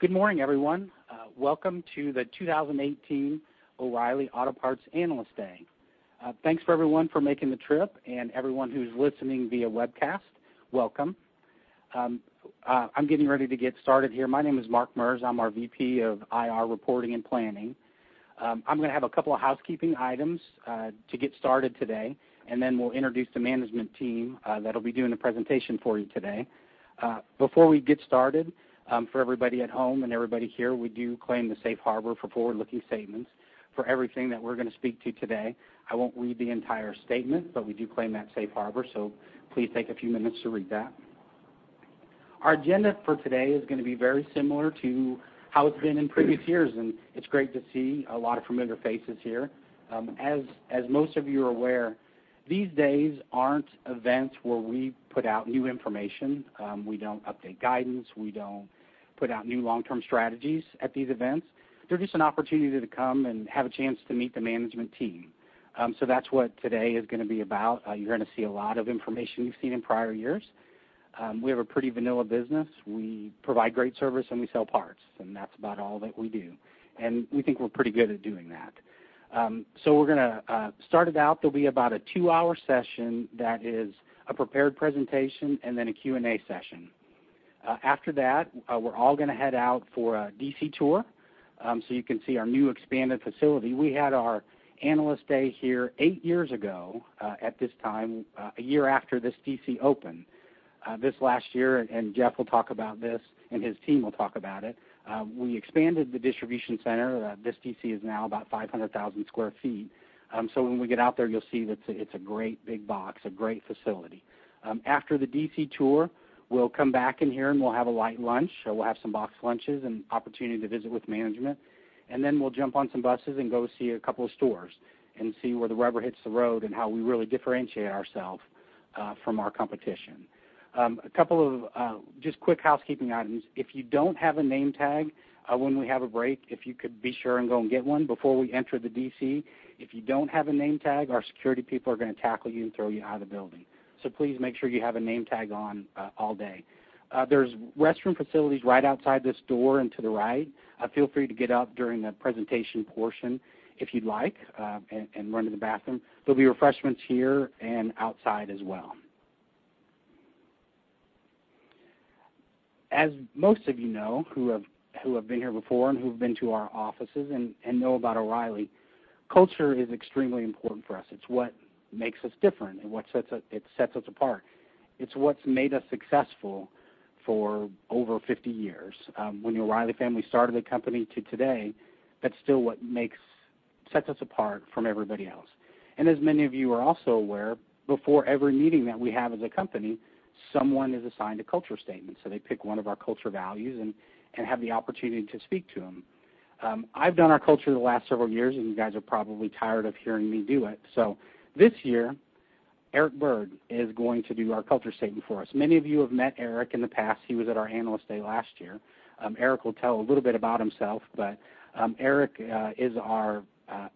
Good morning, everyone. Welcome to the 2018 O’Reilly Auto Parts Analyst Day. Thanks, everyone, for making the trip. Everyone who's listening via webcast, welcome. I'm getting ready to get started here. My name is Mark Merz, I'm our VP of IR Reporting and Planning. I'm going to have a couple of housekeeping items to get started today. Then we'll introduce the management team that'll be doing the presentation for you today. Before we get started, for everybody at home and everybody here, we do claim the safe harbor for forward-looking statements for everything that we're going to speak to today. I won't read the entire statement. We do claim that safe harbor. Please take a few minutes to read that. Our agenda for today is going to be very similar to how it's been in previous years. It's great to see a lot of familiar faces here. As most of you are aware, these days aren't events where we put out new information. We don't update guidance. We don't put out new long-term strategies at these events. They're just an opportunity to come and have a chance to meet the management team. That's what today is going to be about. You're going to see a lot of information you've seen in prior years. We have a pretty vanilla business. We provide great service. We sell parts. That's about all that we do. We think we're pretty good at doing that. We're going to start it out. There'll be about a two-hour session that is a prepared presentation and then a Q&A session. After that, we're all going to head out for a DC tour. You can see our new expanded facility. We had our Analyst Day here eight years ago, at this time, a year after this DC opened. This last year, Jeff will talk about this. His team will talk about it. We expanded the distribution center. This DC is now about 500,000 sq ft. When we get out there, you'll see that it's a great big box, a great facility. After the DC tour, we'll come back in here. We'll have a light lunch. We'll have some boxed lunches and opportunity to visit with management. We'll jump on some buses. Go see a couple of stores. See where the rubber hits the road. How we really differentiate ourselves from our competition. A couple of just quick housekeeping items. If you don't have a name tag, when we have a break, if you could be sure and go and get one before we enter the DC. If you don't have a name tag, our security people are going to tackle you and throw you out of the building. Please make sure you have a name tag on all day. There's restroom facilities right outside this door and to the right. Feel free to get up during the presentation portion if you'd like. Run to the bathroom. There'll be refreshments here and outside as well. As most of you know, who have been here before. Who've been to our offices. Know about O'Reilly. Culture is extremely important for us. It's what makes us different. What sets us apart. It's what's made us successful for over 50 years. When the O'Reilly family started the company to today, that's still what sets us apart from everybody else. As many of you are also aware, before every meeting that we have as a company, someone is assigned a culture statement. They pick one of our culture values and have the opportunity to speak to them. I've done our culture the last several years, and you guys are probably tired of hearing me do it. This year, Eric Bird is going to do our culture statement for us. Many of you have met Eric in the past. He was at our Analyst Day last year. Eric will tell a little bit about himself, but Eric is our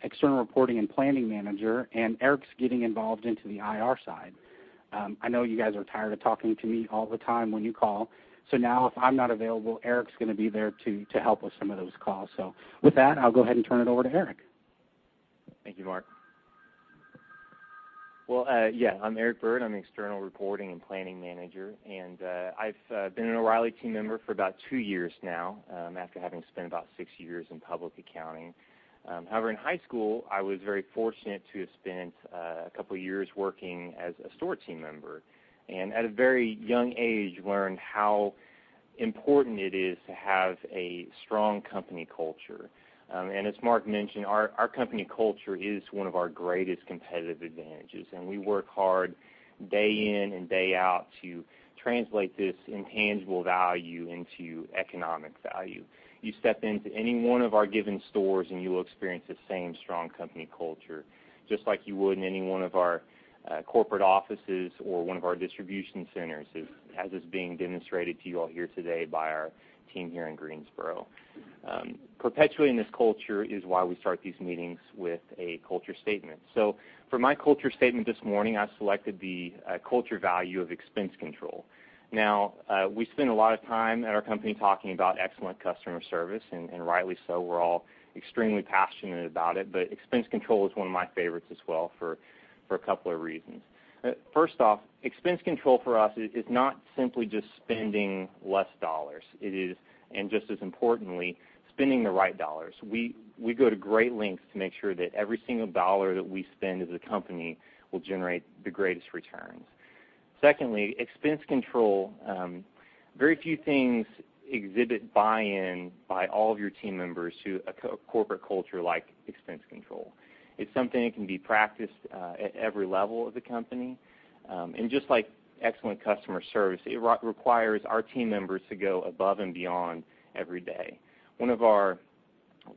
External Reporting and Planning Manager, and Eric's getting involved into the IR side. I know you guys are tired of talking to me all the time when you call. Now, if I'm not available, Eric's going to be there to help with some of those calls. With that, I'll go ahead and turn it over to Eric. Thank you, Mark. Well, yeah, I'm Eric Bird. I'm the External Reporting and Planning Manager. I've been an O'Reilly team member for about two years now, after having spent about six years in public accounting. However, in high school, I was very fortunate to have spent a couple of years working as a store team member. At a very young age, learned how important it is to have a strong company culture. As Mark mentioned, our company culture is one of our greatest competitive advantages, and we work hard day in and day out to translate this intangible value into economic value. You step into any one of our given stores, and you will experience the same strong company culture, just like you would in any one of our corporate offices or one of our distribution centers, as is being demonstrated to you all here today by our team here in Greensboro. Perpetuating this culture is why we start these meetings with a culture statement. For my culture statement this morning, I selected the culture value of expense control. We spend a lot of time at our company talking about excellent customer service, and rightly so. We're all extremely passionate about it, expense control is one of my favorites as well for a couple of reasons. First off, expense control for us is not simply just spending less dollars. It is, and just as importantly, spending the right dollars. We go to great lengths to make sure that every single dollar that we spend as a company will generate the greatest returns. Secondly, expense control. Very few things exhibit buy-in by all of your team members to a corporate culture like expense control. It's something that can be practiced at every level of the company. Just like excellent customer service, it requires our team members to go above and beyond every day. One of our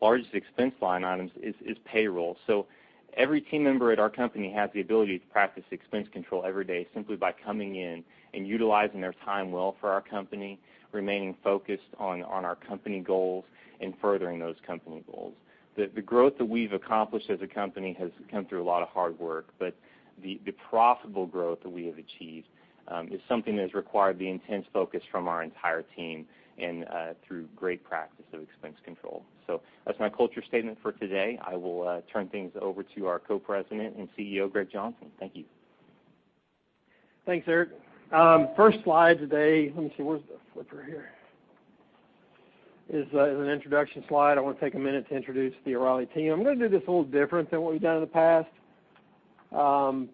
largest expense line items is payroll. Every team member at our company has the ability to practice expense control every day simply by coming in and utilizing their time well for our company, remaining focused on our company goals, and furthering those company goals. The growth that we've accomplished as a company has come through a lot of hard work, but the profitable growth that we have achieved is something that has required the intense focus from our entire team and through great practice of expense control. That's my culture statement for today. I will turn things over to our Co-President and CEO, Greg Johnson. Thank you. Thanks, Eric. First slide today, let me see, where's the flipper here, is an introduction slide. I want to take a minute to introduce the O'Reilly team. I'm going to do this a little different than what we've done in the past. I'm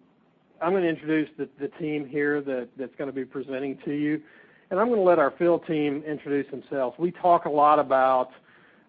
going to introduce the team here that's going to be presenting to you, and I'm going to let our field team introduce themselves. We talk a lot about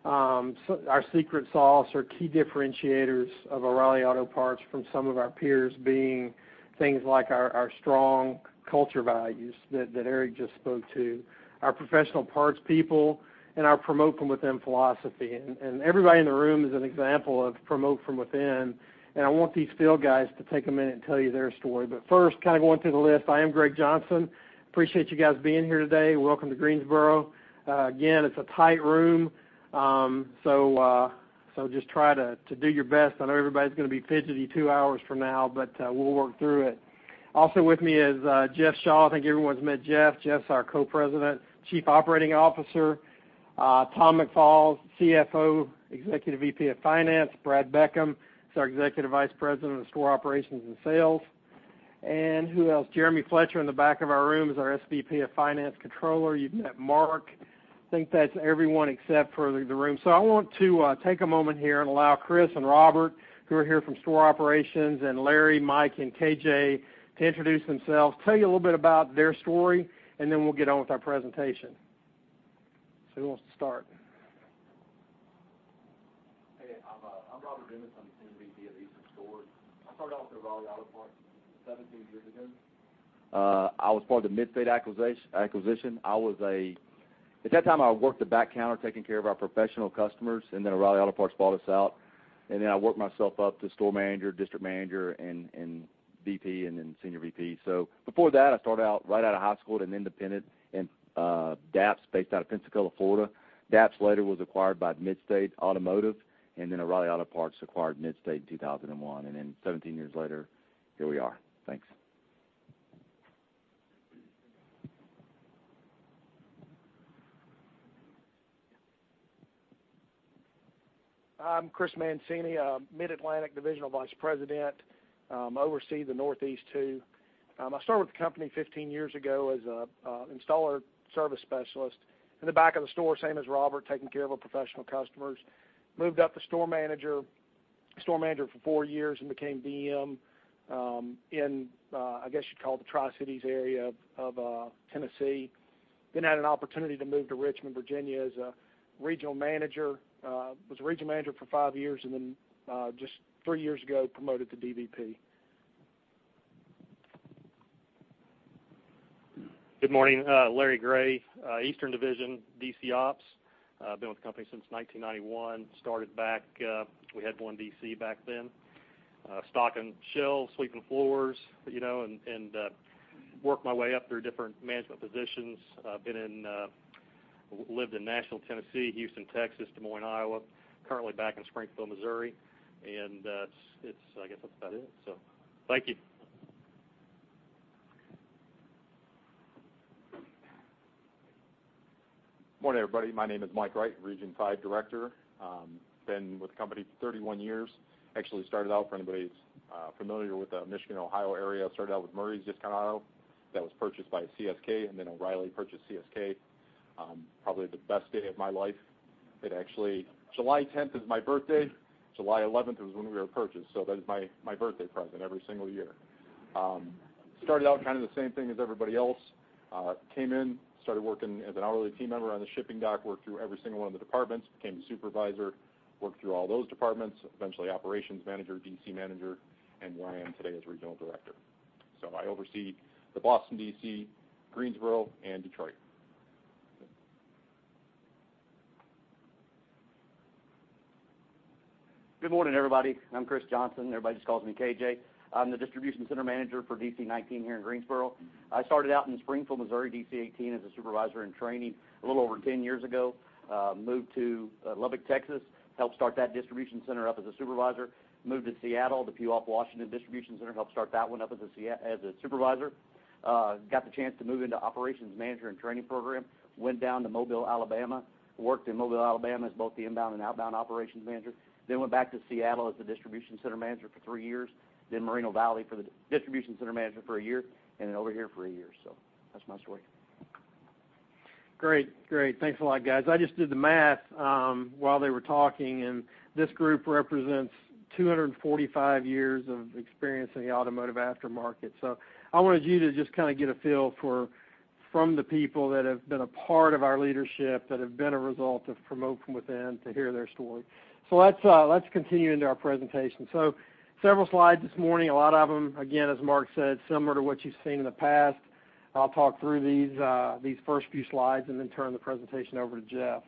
our secret sauce or key differentiators of O'Reilly Auto Parts from some of our peers being things like our strong culture values that Eric just spoke to, our professional parts people, and our promote-from-within philosophy. Everybody in the room is an example of promote from within, and I want these field guys to take a minute and tell you their story. First, going through the list, I am Greg Johnson. Appreciate you guys being here today. Welcome to Greensboro. It's a tight room, just try to do your best. I know everybody's going to be fidgety two hours from now, we'll work through it. Also with me is Jeff Shaw. I think everyone's met Jeff. Jeff's our Co-President, Chief Operating Officer. Tom McFall, CFO, Executive VP of Finance. Brad Beckham is our Executive Vice President of Store Operations and Sales. Who else? Jeremy Fletcher in the back of our room is our SVP of Finance, Controller. You've met Mark. I think that's everyone except for the room. I want to take a moment here and allow Chris and Robert, who are here from store operations, and Larry, Mike, and KJ to introduce themselves, tell you a little bit about their story, and then we'll get on with our presentation. Who wants to start? I'm Robert Dumas. I'm the Senior VP of Eastern Stores. I started off with O'Reilly Auto Parts 17 years ago. I was part of the Mid-State acquisition. At that time, I worked the back counter taking care of our professional customers, O'Reilly Auto Parts bought us out, I worked myself up to Store Manager, District Manager, VP, and Senior VP. Before that, I started out right out of high school at an independent, DAPS, based out of Pensacola, Florida. DAPS later was acquired by Mid-State Automotive, O'Reilly Auto Parts acquired Mid-State in 2001. 17 years later, here we are. Thanks. I'm Chris Mancini, Mid-Atlantic Divisional Vice President. I oversee the Northeast too. I started with the company 15 years ago as an installer service specialist in the back of the store, same as Robert, taking care of our professional customers. Moved up to store manager for four years and became DM in, I guess you'd call it the Tri-Cities area of Tennessee. Had an opportunity to move to Richmond, Virginia, as a regional manager. Was a regional manager for five years, just three years ago, promoted to DVP. Good morning. Larry Gray, Eastern Division, DC Ops. Been with the company since 1991. Started back, we had one DC back then, stocking shelves, sweeping floors, and worked my way up through different management positions. Lived in Nashville, Tennessee, Houston, Texas, Des Moines, Iowa. Currently back in Springfield, Missouri, I guess that's about it. Thank you. Morning, everybody. My name is Mike Wright, Region Five Director. Been with the company 31 years. Actually started out, for anybody who's familiar with the Michigan, Ohio area, started out with Murray's Discount Auto. That was purchased by CSK, O'Reilly purchased CSK. Probably the best day of my life. July 10th is my birthday, July 11th was when we were purchased. That is my birthday present every single year. Started out the same thing as everybody else. Came in, started working as an hourly team member on the shipping dock, worked through every single one of the departments, became the supervisor, worked through all those departments. Eventually Operations Manager, DC Manager, and where I am today as Regional Director. I oversee the Boston DC, Greensboro, and Detroit. Good morning, everybody. I'm Chris Johnson. Everybody just calls me KJ. I'm the distribution center manager for DC19 here in Greensboro. I started out in Springfield, Missouri, DC18, as a supervisor in training a little over 10 years ago. Moved to Lubbock, Texas, helped start that distribution center up as a supervisor. Moved to Seattle, the Puyallup, Washington distribution center, helped start that one up as a supervisor. Got the chance to move into operations manager in training program. Went down to Mobile, Alabama, worked in Mobile, Alabama, as both the inbound and outbound operations manager. Went back to Seattle as the distribution center manager for three years, then Moreno Valley for the distribution center manager for a year, and then over here for a year. That's my story. Great. Thanks a lot, guys. I just did the math while they were talking, this group represents 245 years of experience in the automotive aftermarket. I wanted you to just get a feel from the people that have been a part of our leadership, that have been a result of promote from within, to hear their story. Let's continue into our presentation. Several slides this morning, a lot of them, again, as Mark said, similar to what you've seen in the past. I'll talk through these first few slides and then turn the presentation over to Jeff.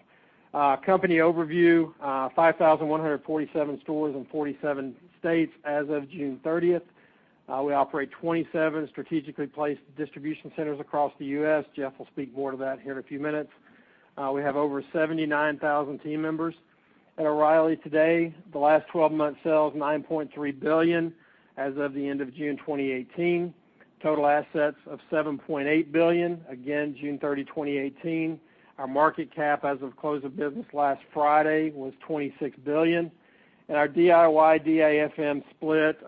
Company overview, 5,147 stores in 47 states as of June 30th. We operate 27 strategically placed distribution centers across the U.S. Jeff will speak more to that here in a few minutes. We have over 79,000 team members at O'Reilly today. The last 12 months' sales, $9.3 billion as of the end of June 2018. Total assets of $7.8 billion, again, June 30, 2018. Our market cap as of close of business last Friday was $26 billion. Our DIY-DIFM split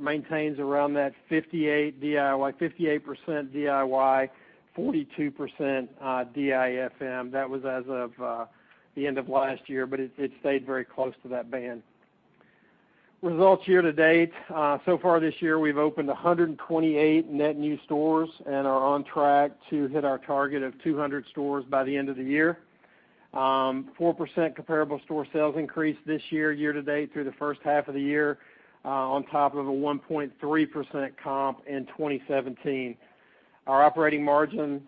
maintains around that 58% DIY, 42% DIFM. That was as of the end of last year, but it stayed very close to that band Results year-to-date. Far this year, we've opened 128 net new stores and are on track to hit our target of 200 stores by the end of the year. 4% comparable store sales increase this year-to-date through the first half of the year, on top of a 1.3% comp in 2017. Our operating margin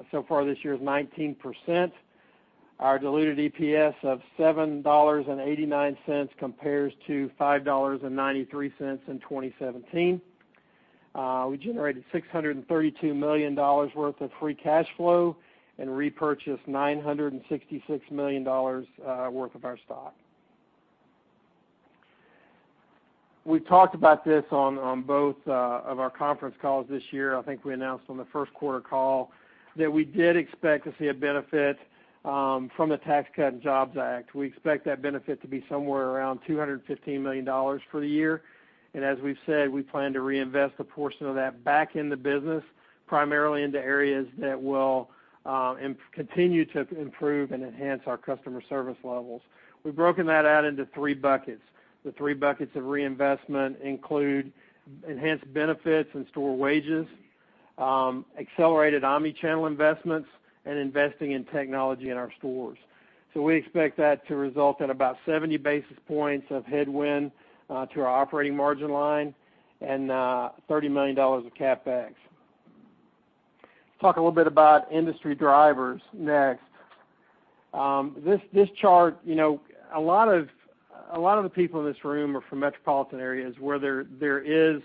far this year is 19%. Our diluted EPS of $7.89 compares to $5.93 in 2017. We generated $632 million worth of free cash flow and repurchased $966 million worth of our stock. We've talked about this on both of our conference calls this year. I think we announced on the first quarter call that we did expect to see a benefit from the Tax Cuts and Jobs Act. We expect that benefit to be somewhere around $215 million for the year. As we've said, we plan to reinvest a portion of that back in the business, primarily into areas that will continue to improve and enhance our customer service levels. We've broken that out into three buckets. The three buckets of reinvestment include enhanced benefits and store wages, accelerated omnichannel investments, and investing in technology in our stores. We expect that to result in about 70 basis points of headwind to our operating margin line and $30 million of CapEx. Talk a little bit about industry drivers next. This chart, a lot of the people in this room are from metropolitan areas where there is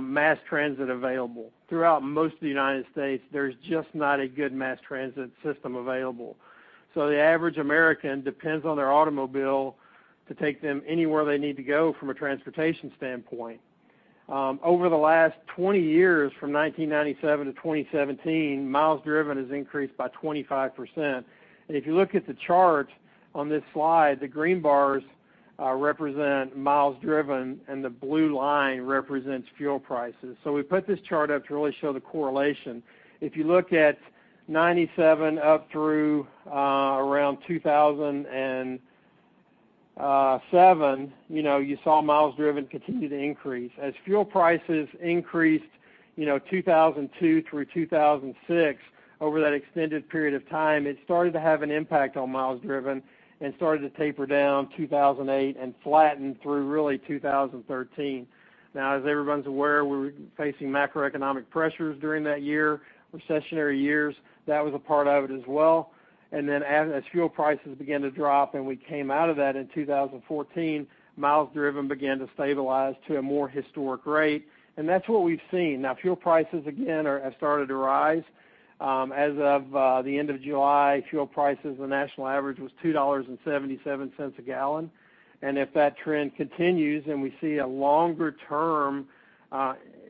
mass transit available. Throughout most of the U.S., there's just not a good mass transit system available. The average American depends on their automobile to take them anywhere they need to go from a transportation standpoint. Over the last 20 years, from 1997 to 2017, miles driven has increased by 25%. If you look at the chart on this slide, the green bars represent miles driven and the blue line represents fuel prices. We put this chart up to really show the correlation. If you look at '97 up through around 2007, you saw miles driven continue to increase. As fuel prices increased, 2002 through 2006, over that extended period of time, it started to have an impact on miles driven and started to taper down 2008 and flattened through really 2013. As everyone's aware, we were facing macroeconomic pressures during that year, recessionary years. That was a part of it as well. As fuel prices began to drop and we came out of that in 2014, miles driven began to stabilize to a more historic rate, and that's what we've seen. Fuel prices again have started to rise. As of the end of July, fuel prices, the national average was $2.77 a gallon, and if that trend continues and we see a longer-term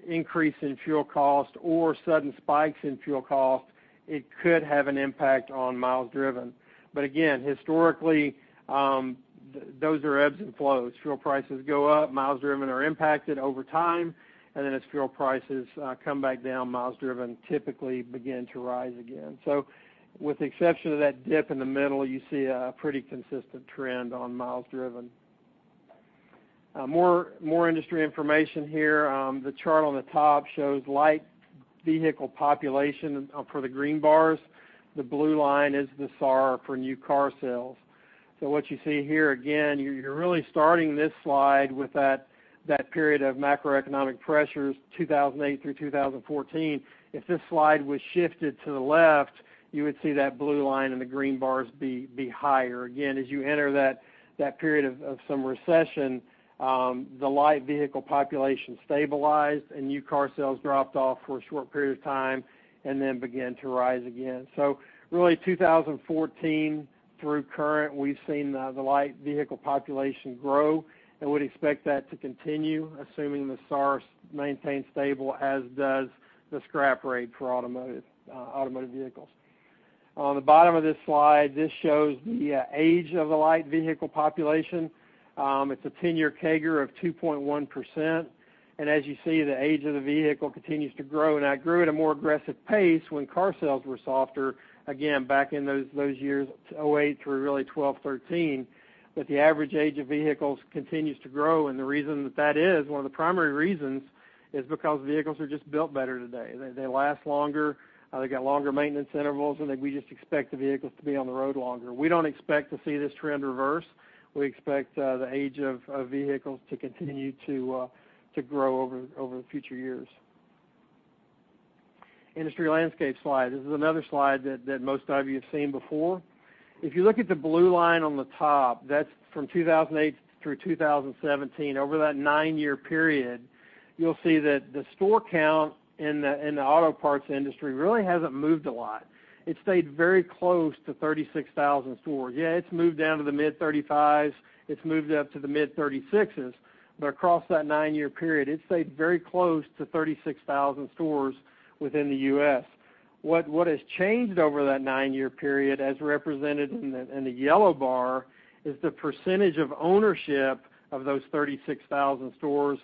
increase in fuel cost or sudden spikes in fuel cost, it could have an impact on miles driven. Again, historically, those are ebbs and flows. Fuel prices go up, miles driven are impacted over time, as fuel prices come back down, miles driven typically begin to rise again. With the exception of that dip in the middle, you see a pretty consistent trend on miles driven. More industry information here. The chart on the top shows light vehicle population for the green bars. The blue line is the SAAR for new car sales. What you see here, again, you're really starting this slide with that period of macroeconomic pressures, 2008 through 2014. If this slide was shifted to the left, you would see that blue line and the green bars be higher. Again, as you enter that period of some recession, the light vehicle population stabilized and new car sales dropped off for a short period of time and then began to rise again. Really 2014 through current, we've seen the light vehicle population grow and would expect that to continue assuming the SAARs maintain stable, as does the scrap rate for automotive vehicles. On the bottom of this slide, this shows the age of the light vehicle population. It's a 10-year CAGR of 2.1%, and as you see, the age of the vehicle continues to grow. That grew at a more aggressive pace when car sales were softer, again, back in those years, '08 through really '12, '13. The average age of vehicles continues to grow, and the reason that that is, one of the primary reasons, is because vehicles are just built better today. They last longer, they got longer maintenance intervals, and we just expect the vehicles to be on the road longer. We don't expect to see this trend reverse. We expect the age of vehicles to continue to grow over the future years. Industry landscape slide. This is another slide that most of you have seen before. If you look at the blue line on the top, that's from 2008 through 2017. Over that nine-year period, you'll see that the store count in the auto parts industry really hasn't moved a lot. It stayed very close to 36,000 stores. Yeah, it's moved down to the mid-35s, it's moved up to the mid-36s, but across that nine-year period, it stayed very close to 36,000 stores within the U.S. What has changed over that nine-year period, as represented in the yellow bar, is the percentage of ownership of those 36,000 stores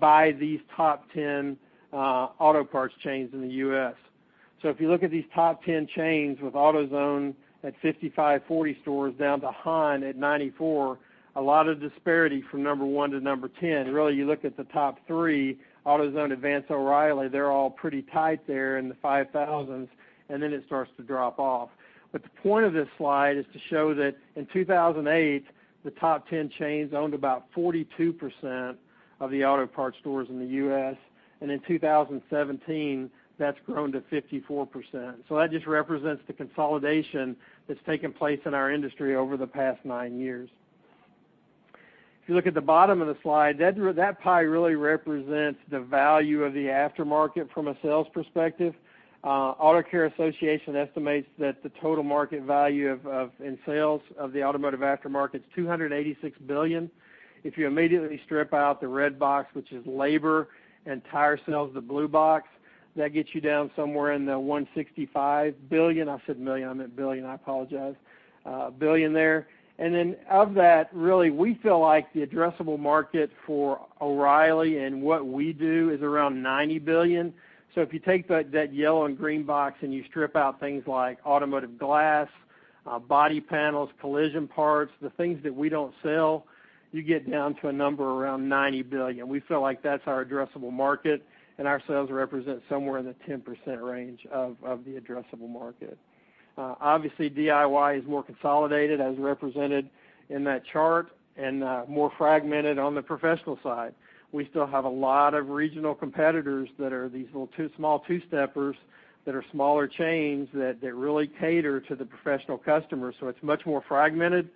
by these top 10 auto parts chains in the U.S. If you look at these top 10 chains with AutoZone at 5,540 stores down to Hahn at 94, a lot of disparity from number one to number 10. Really, you look at the top three, AutoZone, Advance, O'Reilly, they're all pretty tight there in the 5,000s, and then it starts to drop off. The point of this slide is to show that in 2008, the top 10 chains owned about 42% of the auto parts stores in the U.S., and in 2017, that's grown to 54%. That just represents the consolidation that's taken place in our industry over the past nine years. If you look at the bottom of the slide, that pie really represents the value of the aftermarket from a sales perspective. Auto Care Association estimates that the total market value in sales of the automotive aftermarket is $286 billion. If you immediately strip out the red box, which is labor and tire sales, the blue box, that gets you down somewhere in the $165 billion. I said million, I meant billion, I apologize. Billion there. Of that, really, we feel like the addressable market for O'Reilly and what we do is around $90 billion. If you take that yellow and green box and you strip out things like automotive glass, body panels, collision parts, the things that we don't sell, you get down to a number around $90 billion. We feel like that's our addressable market, and our sales represent somewhere in the 10% range of the addressable market. Obviously, DIY is more consolidated as represented in that chart and more fragmented on the professional side. We still have a lot of regional competitors that are these little small two-steppers that are smaller chains that really cater to the professional customer. It's much more fragmented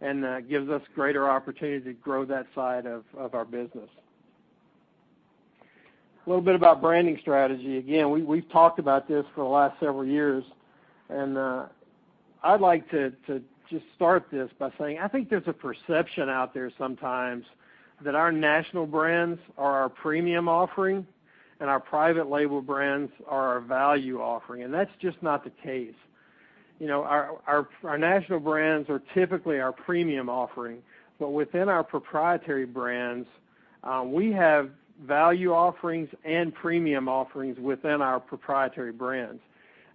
and gives us greater opportunity to grow that side of our business. A little bit about branding strategy. Again, we've talked about this for the last several years, and I'd like to just start this by saying I think there's a perception out there sometimes that our national brands are our premium offering and our private label brands are our value offering. That's just not the case. Our national brands are typically our premium offering, but within our proprietary brands, we have value offerings and premium offerings within our proprietary brands.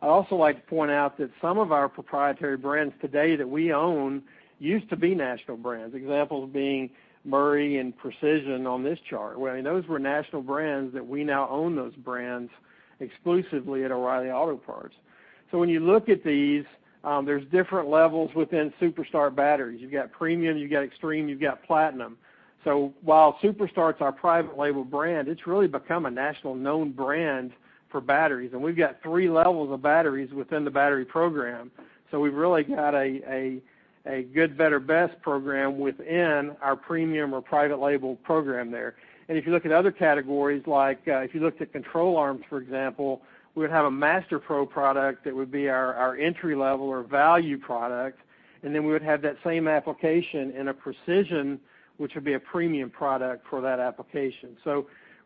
I'd also like to point out that some of our proprietary brands today that we own used to be national brands, examples being Murray and Precision on this chart, where those were national brands that we now own those brands exclusively at O'Reilly Auto Parts. When you look at these, there's different levels within Super Start Batteries. You've got premium, you've got extreme, you've got platinum. While Super Start's our private label brand, it's really become a national known brand for batteries. We've got 3 levels of batteries within the battery program. We've really got a good, better, best program within our premium or private label program there. If you look at other categories, like if you looked at control arms, for example, we would have a MasterPro product that would be our entry-level or value product, and then we would have that same application in a Precision, which would be a premium product for that application.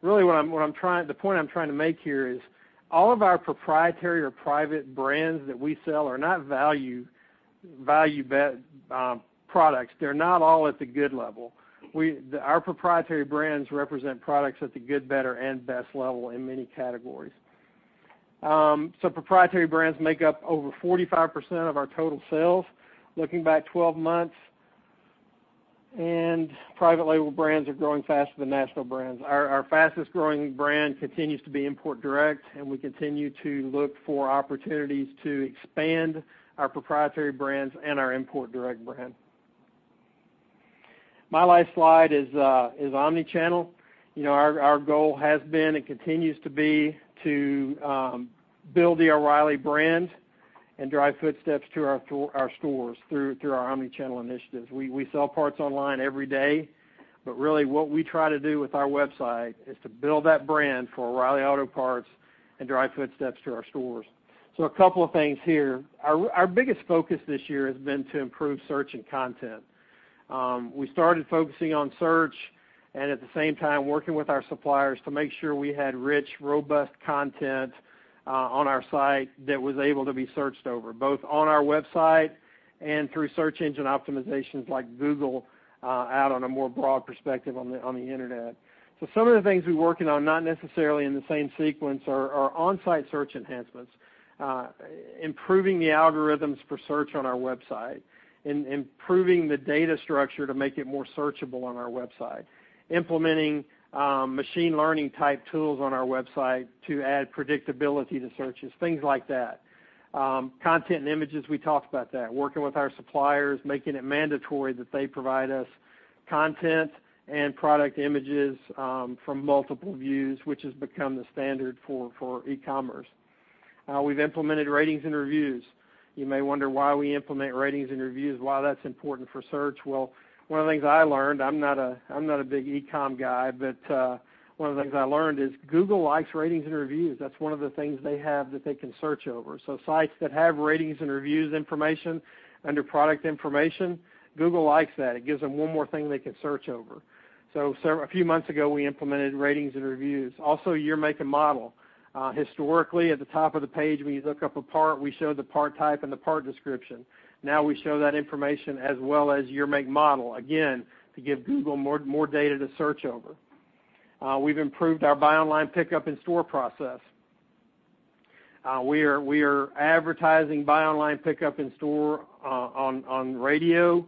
Really the point I'm trying to make here is all of our proprietary or private brands that we sell are not value products. They're not all at the good level. Our proprietary brands represent products at the good, better, and best level in many categories. Proprietary brands make up over 45% of our total sales, looking back 12 months, and private label brands are growing faster than national brands. Our fastest-growing brand continues to be Import Direct, and we continue to look for opportunities to expand our proprietary brands and our Import Direct brand. My last slide is omnichannel. Our goal has been and continues to be to build the O'Reilly brand and drive footsteps to our stores through our omnichannel initiatives. We sell parts online every day, but really what we try to do with our website is to build that brand for O'Reilly Auto Parts and drive footsteps to our stores. A couple of things here. Our biggest focus this year has been to improve search and content. We started focusing on search and at the same time working with our suppliers to make sure we had rich, robust content on our site that was able to be searched over, both on our website and through search engine optimizations like Google out on a more broad perspective on the internet. Some of the things we're working on, not necessarily in the same sequence, are on-site search enhancements, improving the algorithms for search on our website, improving the data structure to make it more searchable on our website, implementing machine learning type tools on our website to add predictability to searches, things like that. Content and images, we talked about that, working with our suppliers, making it mandatory that they provide us content and product images from multiple views, which has become the standard for e-commerce. We've implemented ratings and reviews. You may wonder why we implement ratings and reviews, why that's important for search. Well, one of the things I learned, I'm not a big e-com guy, but one of the things I learned is Google likes ratings and reviews. That's one of the things they have that they can search over. Sites that have ratings and reviews information under product information, Google likes that. It gives them one more thing they can search over. A few months ago, we implemented ratings and reviews. Year, make, and model. Historically, at the top of the page, when you look up a part, we show the part type and the part description. Now we show that information as well as year, make, model, again, to give Google more data to search over. We have improved our buy online pickup in-store process. We are advertising buy online pickup in store on radio.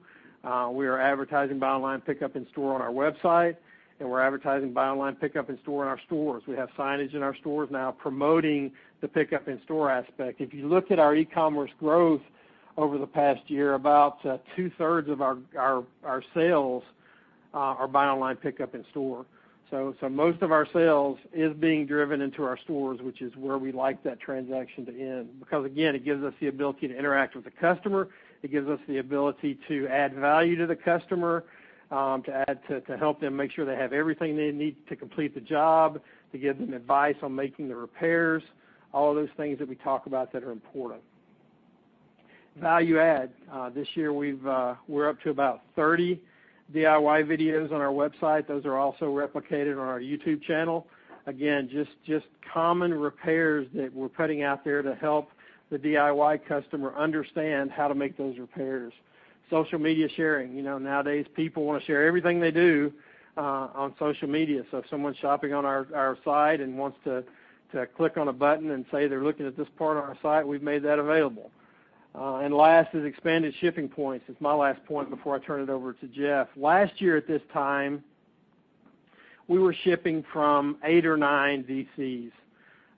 We are advertising buy online pickup in store on our website, and we are advertising buy online pickup in store on our stores. We have signage in our stores now promoting the pickup in-store aspect. If you look at our e-commerce growth over the past year, about two-thirds of our sales are buy online pickup in store. Most of our sales is being driven into our stores, which is where we like that transaction to end, because again, it gives us the ability to interact with the customer. It gives us the ability to add value to the customer, to help them make sure they have everything they need to complete the job, to give them advice on making the repairs, all of those things that we talk about that are important. Value add. This year, we are up to about 30 DIY videos on our website. Those are also replicated on our YouTube channel. Again, just common repairs that we are putting out there to help the DIY customer understand how to make those repairs. Social media sharing. Nowadays, people want to share everything they do on social media. If someone is shopping on our site and wants to click on a button and say they are looking at this part on our site, we have made that available. Last is expanded shipping points. It is my last point before I turn it over to Jeff. Last year at this time, we were shipping from eight or nine DCs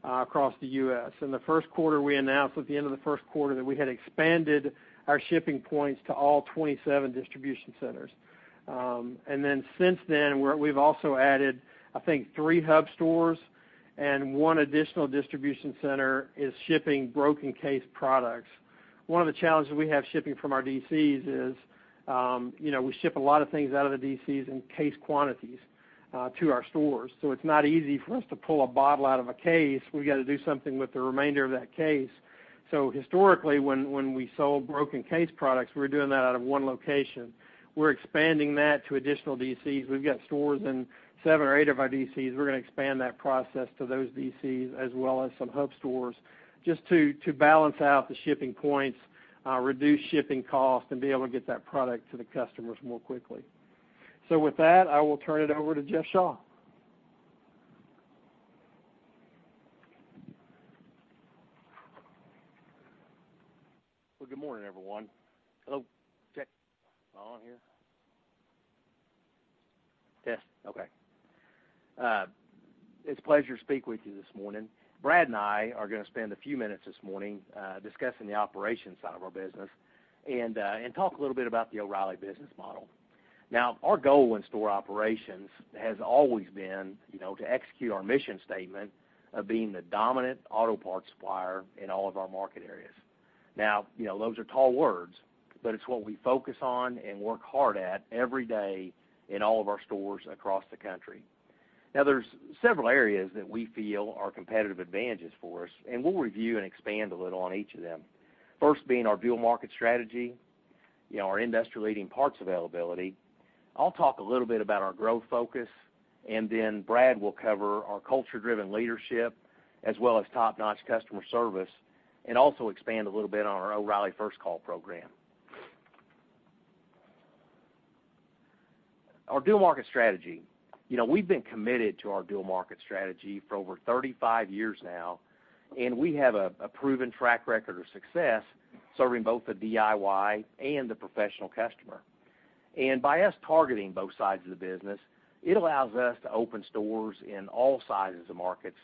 across the U.S. In the first quarter, we announced at the end of the first quarter that we had expanded our shipping points to all 27 distribution centers. Since then, we have also added, I think, three hub stores and one additional distribution center is shipping broken case products. One of the challenges we have shipping from our DCs is we ship a lot of things out of the DCs in case quantities to our stores. It is not easy for us to pull a bottle out of a case. We have got to do something with the remainder of that case. Historically, when we sold broken case products, we were doing that out of one location. We are expanding that to additional DCs. We have got stores in seven or eight of our DCs. We are going to expand that process to those DCs as well as some hub stores just to balance out the shipping points, reduce shipping cost, and be able to get that product to the customers more quickly. With that, I will turn it over to Jeff Shaw. Well, good morning, everyone. Hello. Check. Am I on here? Testing. Okay. It's a pleasure to speak with you this morning. Brad and I are going to spend a few minutes this morning discussing the operations side of our business and talk a little bit about the O'Reilly business model. Now, our goal in store operations has always been to execute our mission statement of being the dominant auto parts supplier in all of our market areas. Now, those are tall words, but it's what we focus on and work hard at every day in all of our stores across the country. Now, there's several areas that we feel are competitive advantages for us, and we'll review and expand a little on each of them. First being our dual market strategy, our industry-leading parts availability. I'll talk a little bit about our growth focus, then Brad will cover our culture-driven leadership, as well as top-notch customer service, and also expand a little bit on our O'Reilly First Call program. Our dual market strategy. We've been committed to our dual market strategy for over 35 years now, we have a proven track record of success serving both the DIY and the professional customer. By us targeting both sides of the business, it allows us to open stores in all sizes of markets,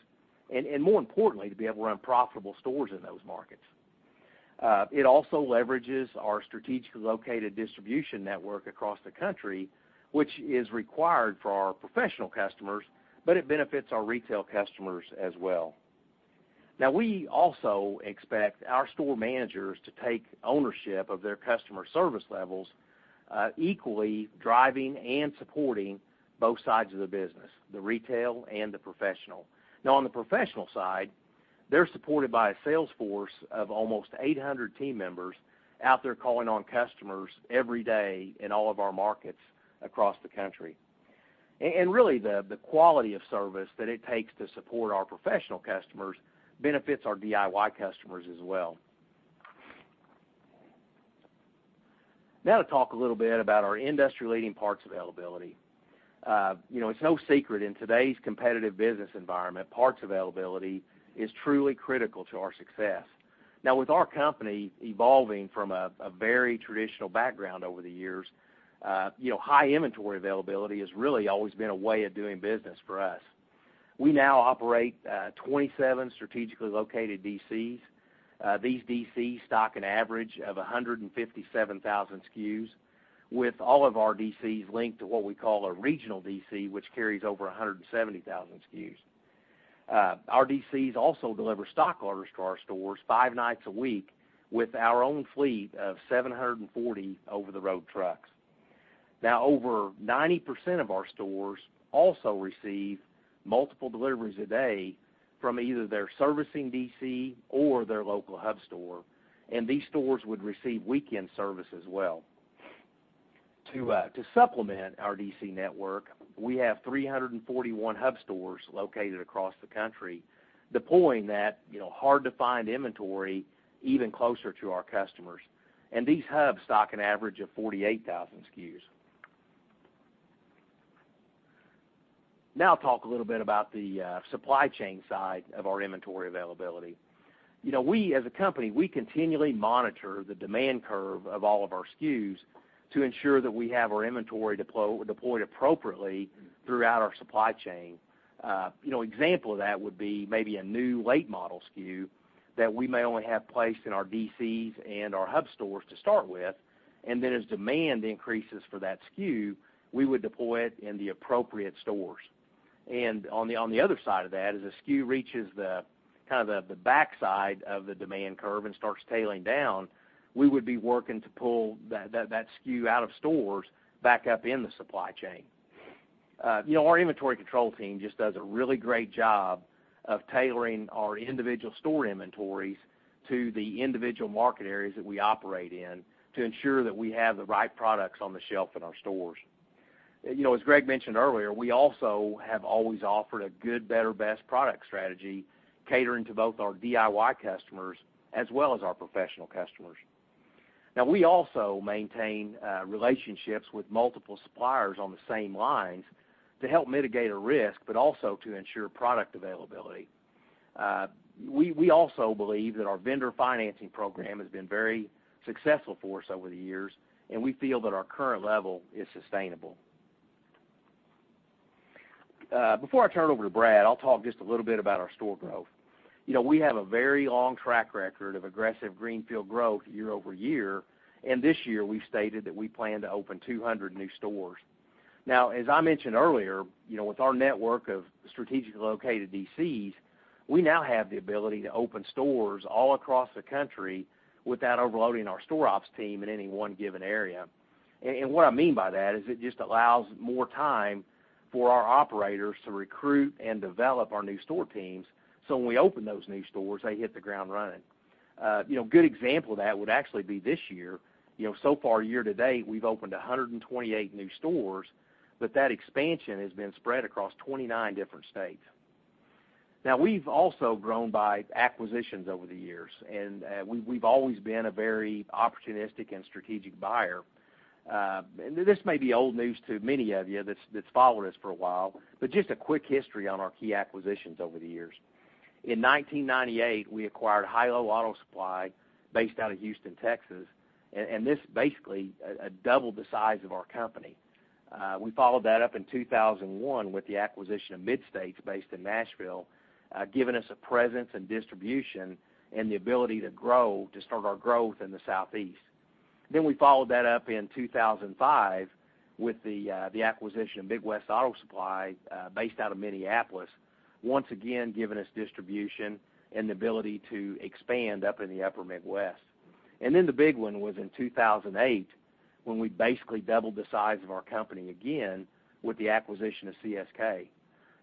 and more importantly, to be able to run profitable stores in those markets. It also leverages our strategically located distribution network across the country, which is required for our professional customers, but it benefits our retail customers as well. Now, we also expect our store managers to take ownership of their customer service levels, equally driving and supporting both sides of the business, the retail and the professional. Now, on the professional side, they're supported by a sales force of almost 800 team members out there calling on customers every day in all of our markets across the country. Really, the quality of service that it takes to support our professional customers benefits our DIY customers as well. Now to talk a little bit about our industry-leading parts availability. It's no secret in today's competitive business environment, parts availability is truly critical to our success. Now, with our company evolving from a very traditional background over the years, high inventory availability has really always been a way of doing business for us. We now operate 27 strategically located DCs. These DCs stock an average of 157,000 SKUs with all of our DCs linked to what we call a regional DC, which carries over 170,000 SKUs. Our DCs also deliver stock orders to our stores five nights a week with our own fleet of 740 over-the-road trucks. Now, over 90% of our stores also receive multiple deliveries a day from either their servicing DC or their local hub store, and these stores would receive weekend service as well. To supplement our DC network, we have 341 hub stores located across the country, deploying that hard-to-find inventory even closer to our customers. These hubs stock an average of 48,000 SKUs. Now I'll talk a little bit about the supply chain side of our inventory availability. We as a company, we continually monitor the demand curve of all of our SKUs to ensure that we have our inventory deployed appropriately throughout our supply chain. An example of that would be maybe a new late model SKU that we may only have placed in our DCs and our hub stores to start with, and as demand increases for that SKU, we would deploy it in the appropriate stores. On the other side of that, as a SKU reaches the backside of the demand curve and starts tailing down, we would be working to pull that SKU out of stores back up in the supply chain. Our inventory control team just does a really great job of tailoring our individual store inventories to the individual market areas that we operate in to ensure that we have the right products on the shelf in our stores. As Greg mentioned earlier, we also have always offered a good, better, best product strategy catering to both our DIY customers as well as our professional customers. We also maintain relationships with multiple suppliers on the same lines to help mitigate a risk but also to ensure product availability. We also believe that our vendor financing program has been very successful for us over the years, and we feel that our current level is sustainable. Before I turn it over to Brad, I'll talk just a little bit about our store growth. We have a very long track record of aggressive greenfield growth year-over-year, and this year we've stated that we plan to open 200 new stores. As I mentioned earlier, with our network of strategically located DCs, we now have the ability to open stores all across the country without overloading our store ops team in any one given area. What I mean by that is it just allows more time for our operators to recruit and develop our new store teams, so when we open those new stores, they hit the ground running. A good example of that would actually be this year. So far year to date, we've opened 128 new stores, but that expansion has been spread across 29 different states. We've also grown by acquisitions over the years, and we've always been a very opportunistic and strategic buyer. This may be old news to many of you that's followed us for a while, but just a quick history on our key acquisitions over the years. In 1998, we acquired Hi/LO Auto Supply based out of Houston, Texas, and this basically doubled the size of our company. We followed that up in 2001 with the acquisition of Mid-State based in Nashville, giving us a presence and distribution and the ability to start our growth in the Southeast. We followed that up in 2005 with the acquisition of Midwest Automotive Distributors, Inc. based out of Minneapolis, once again giving us distribution and the ability to expand up in the upper Midwest. The big one was in 2008 when we basically doubled the size of our company again with the acquisition of CSK.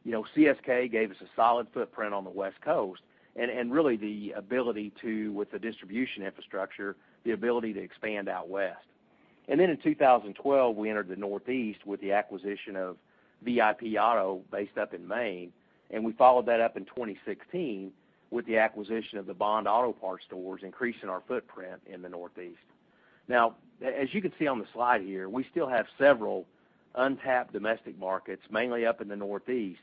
CSK gave us a solid footprint on the West Coast and really the ability to, with the distribution infrastructure, the ability to expand out west. In 2012, we entered the Northeast with the acquisition of VIP Auto based up in Maine, and we followed that up in 2016 with the acquisition of the Bond Auto Parts stores, increasing our footprint in the Northeast. As you can see on the slide here, we still have several untapped domestic markets, mainly up in the Northeast,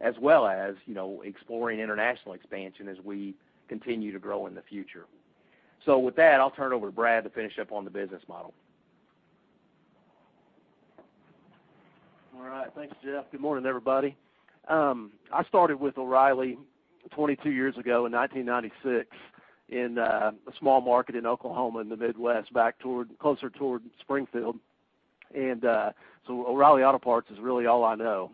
as well as exploring international expansion as we continue to grow in the future. With that, I'll turn it over to Brad to finish up on the business model. All right. Thanks, Jeff. Good morning, everybody. I started with O'Reilly 22 years ago in 1996 in a small market in Oklahoma in the Midwest, back closer toward Springfield. O'Reilly Auto Parts is really all I know.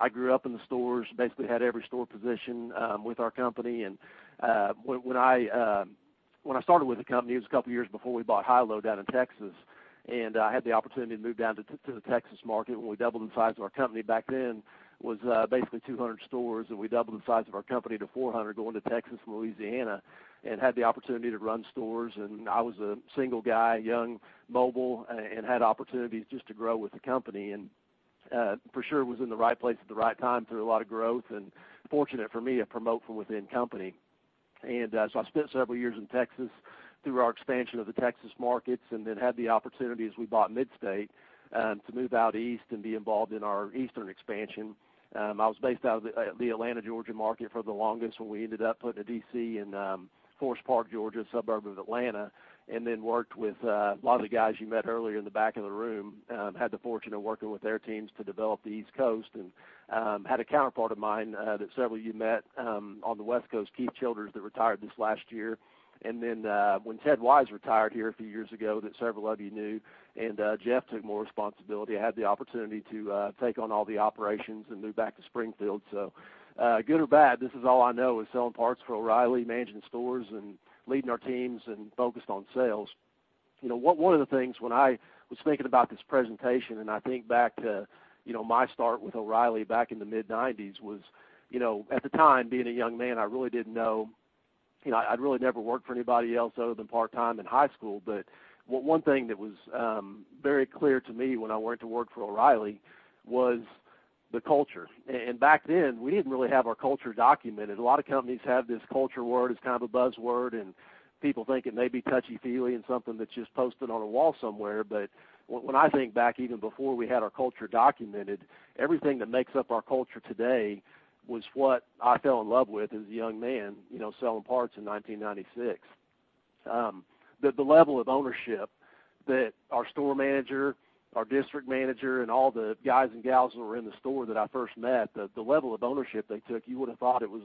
I grew up in the stores, basically had every store position with our company. When I started with the company, it was a couple of years before we bought Hi/LO down in Texas, and I had the opportunity to move down to the Texas market when we doubled in size of our company back then, was basically 200 stores, and we doubled the size of our company to 400 going to Texas and Louisiana and had the opportunity to run stores. I was a single guy, young, mobile, and had opportunities just to grow with the company. For sure was in the right place at the right time through a lot of growth and fortunate for me, a promote-from-within company. I spent several years in Texas through our expansion of the Texas markets and had the opportunity as we bought Mid-State to move out east and be involved in our eastern expansion. I was based out of the Atlanta, Georgia market for the longest when we ended up putting a DC in Forest Park, Georgia, a suburb of Atlanta, worked with a lot of the guys you met earlier in the back of the room, had the fortune of working with their teams to develop the East Coast and had a counterpart of mine that several of you met on the West Coast, Keith Childers, that retired this last year. When Ted Wise retired here a few years ago that several of you knew, and Jeff took more responsibility, I had the opportunity to take on all the operations and move back to Springfield. Good or bad, this is all I know is selling parts for O'Reilly, managing stores, and leading our teams and focused on sales. One of the things when I was thinking about this presentation and I think back to my start with O'Reilly back in the mid-'90s was at the time, being a young man, I'd really never worked for anybody else other than part-time in high school, but one thing that was very clear to me when I went to work for O'Reilly was the culture. Back then, we didn't really have our culture documented. A lot of companies have this culture word as kind of a buzzword, and people think it may be touchy-feely and something that is just posted on a wall somewhere. When I think back, even before we had our culture documented, everything that makes up our culture today was what I fell in love with as a young man selling parts in 1996. The level of ownership that our store manager, our district manager, and all the guys and gals that were in the store that I first met, the level of ownership they took, you would have thought it was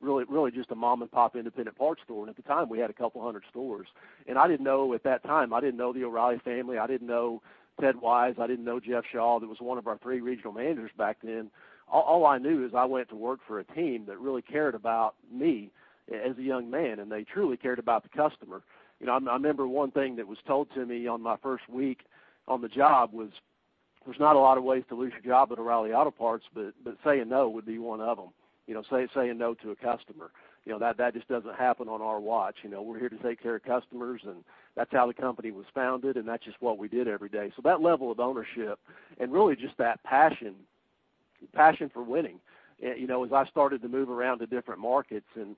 really just a mom-and-pop independent parts store. At the time, we had a couple hundred stores. At that time, I did not know the O'Reilly family. I did not know Ted Wise. I did not know Jeff Shaw, that was one of our three regional managers back then. All I knew is I went to work for a team that really cared about me as a young man, and they truly cared about the customer. I remember one thing that was told to me on my first week on the job was, there is not a lot of ways to lose your job at O'Reilly Auto Parts, but saying no would be one of them, saying no to a customer. That just doesn't happen on our watch. We are here to take care of customers, and that's how the company was founded, and that's just what we did every day. That level of ownership and really just that passion for winning. As I started to move around to different markets and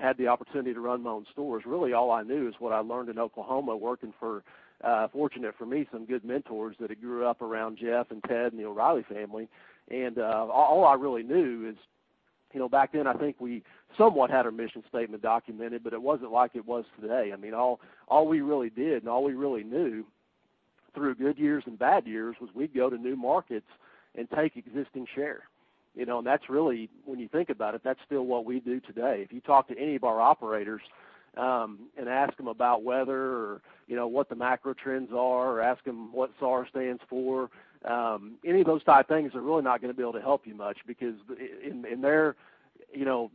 had the opportunity to run my own stores, really all I knew is what I learned in Oklahoma, working for, fortunate for me, some good mentors that had grew up around Jeff Shaw and Ted Wise and the O'Reilly family. All I really knew is, back then, I think we somewhat had our mission statement documented, but it wasn't like it was today. All we really did and all we really knew through good years and bad years was we would go to new markets and take existing share. When you think about it, that's still what we do today. If you talk to any of our operators and ask them about weather or what the macro trends are or ask them what SAR stands for, any of those type things are really not going to be able to help you much because in their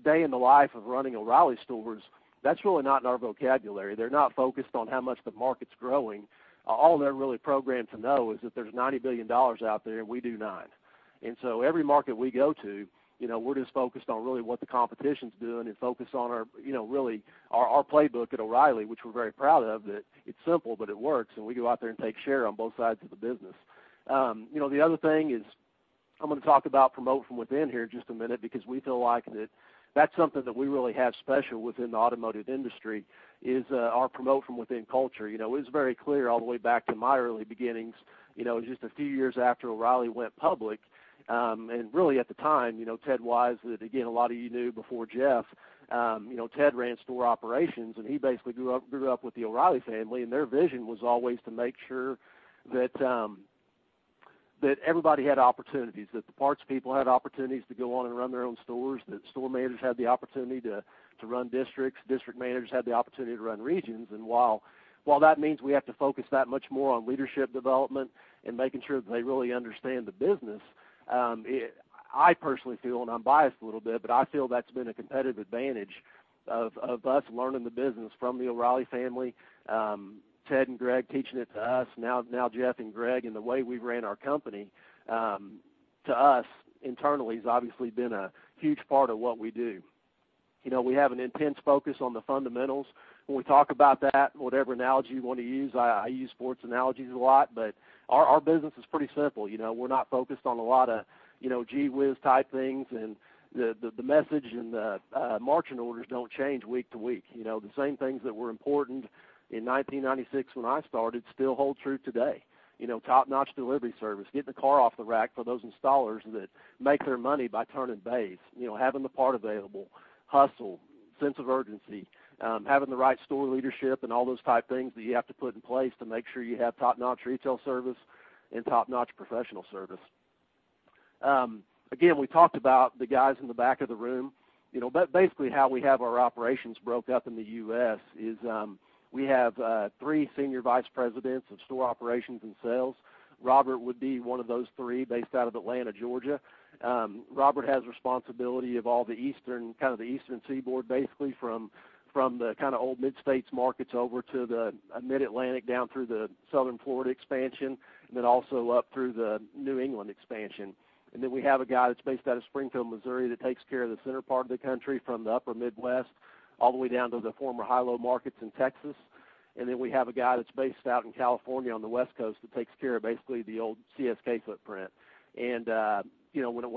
day in the life of running O'Reilly stores, that's really not in our vocabulary. They are not focused on how much the market is growing. All they are really programmed to know is that there is $90 billion out there and we do nine. Every market we go to, we are just focused on really what the competition's doing and focused on really our playbook at O'Reilly, which we are very proud of, that it is simple, but it works. We go out there and take share on both sides of the business. The other thing is I'm going to talk about promote from within here in just a minute because we feel like that's something that we really have special within the automotive industry is our promote-from-within culture. It was very clear all the way back to my early beginnings, just a few years after O'Reilly went public. Really at the time, Ted Wise, that again, a lot of you knew before Jeff. Ted ran store operations, and he basically grew up with the O'Reilly family, and their vision was always to make sure that everybody had opportunities, that the parts people had opportunities to go on and run their own stores, that store managers had the opportunity to run districts, district managers had the opportunity to run regions. While that means we have to focus that much more on leadership development and making sure that they really understand the business, I personally feel, and I'm biased a little bit, but I feel that's been a competitive advantage of us learning the business from the O'Reilly family, Ted and Greg teaching it to us, now Jeff and Greg, the way we ran our company, to us internally has obviously been a huge part of what we do. We have an intense focus on the fundamentals. When we talk about that, whatever analogy you want to use, I use sports analogies a lot, but our business is pretty simple. We're not focused on a lot of gee whiz type things, the message and the marching orders don't change week to week. The same things that were important in 1996 when I started still hold true today. Top-notch delivery service, getting the car off the rack for those installers that make their money by turning bays, having the part available, hustle, sense of urgency, having the right store leadership and all those type things that you have to put in place to make sure you have top-notch retail service and top-notch professional service. Again, we talked about the guys in the back of the room. Basically how we have our operations broke up in the U.S. is we have three senior vice presidents of store operations and sales. Robert would be one of those three based out of Atlanta, Georgia. Robert has responsibility of all the Eastern Seaboard, basically from the kind of old Mid-State markets over to the Mid-Atlantic down through the Southern Florida expansion, also up through the New England expansion. Then we have a guy that's based out of Springfield, Missouri, that takes care of the center part of the country from the Upper Midwest all the way down to the former Hi/LO markets in Texas. Then we have a guy that's based out in California on the West Coast that takes care of basically the old CSK footprint. When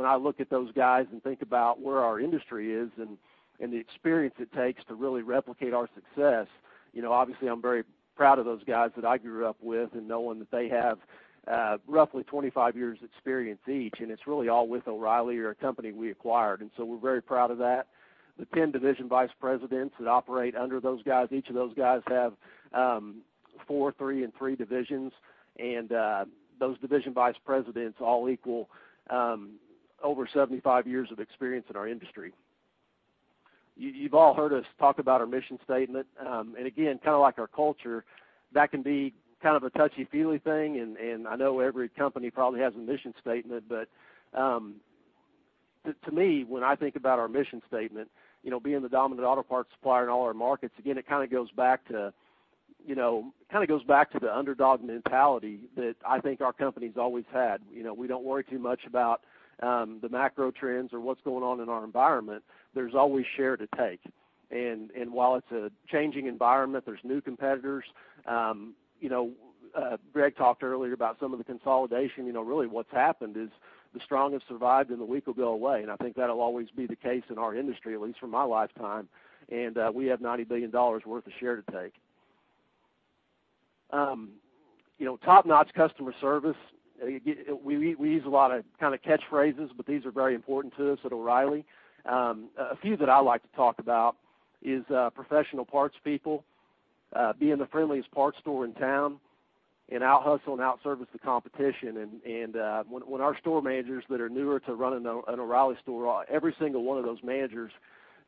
I look at those guys and think about where our industry is and the experience it takes to really replicate our success, obviously I'm very proud of those guys that I grew up with and knowing that they have roughly 25 years experience each, and it's really all with O'Reilly or a company we acquired. So we're very proud of that. The 10 division vice presidents that operate under those guys, each of those guys have four, three, and three divisions. Those division vice presidents all equal over 75 years of experience in our industry. You've all heard us talk about our mission statement. Again, kind of like our culture, that can be kind of a touchy-feely thing, and I know every company probably has a mission statement, but to me, when I think about our mission statement, being the dominant auto parts supplier in all our markets, again, it kind of goes back to the underdog mentality that I think our company's always had. We don't worry too much about the macro trends or what's going on in our environment. There's always share to take. While it's a changing environment, there's new competitors. Greg talked earlier about some of the consolidation. Really what's happened is the strong have survived and the weak will go away. I think that'll always be the case in our industry, at least for my lifetime. We have $90 billion worth of share to take. Top-notch customer service. We use a lot of catchphrases, but these are very important to us at O'Reilly. A few that I like to talk about is professional parts people, being the friendliest parts store in town, and out-hustle and out-service the competition. When our store managers that are newer to running an O'Reilly store, every single one of those managers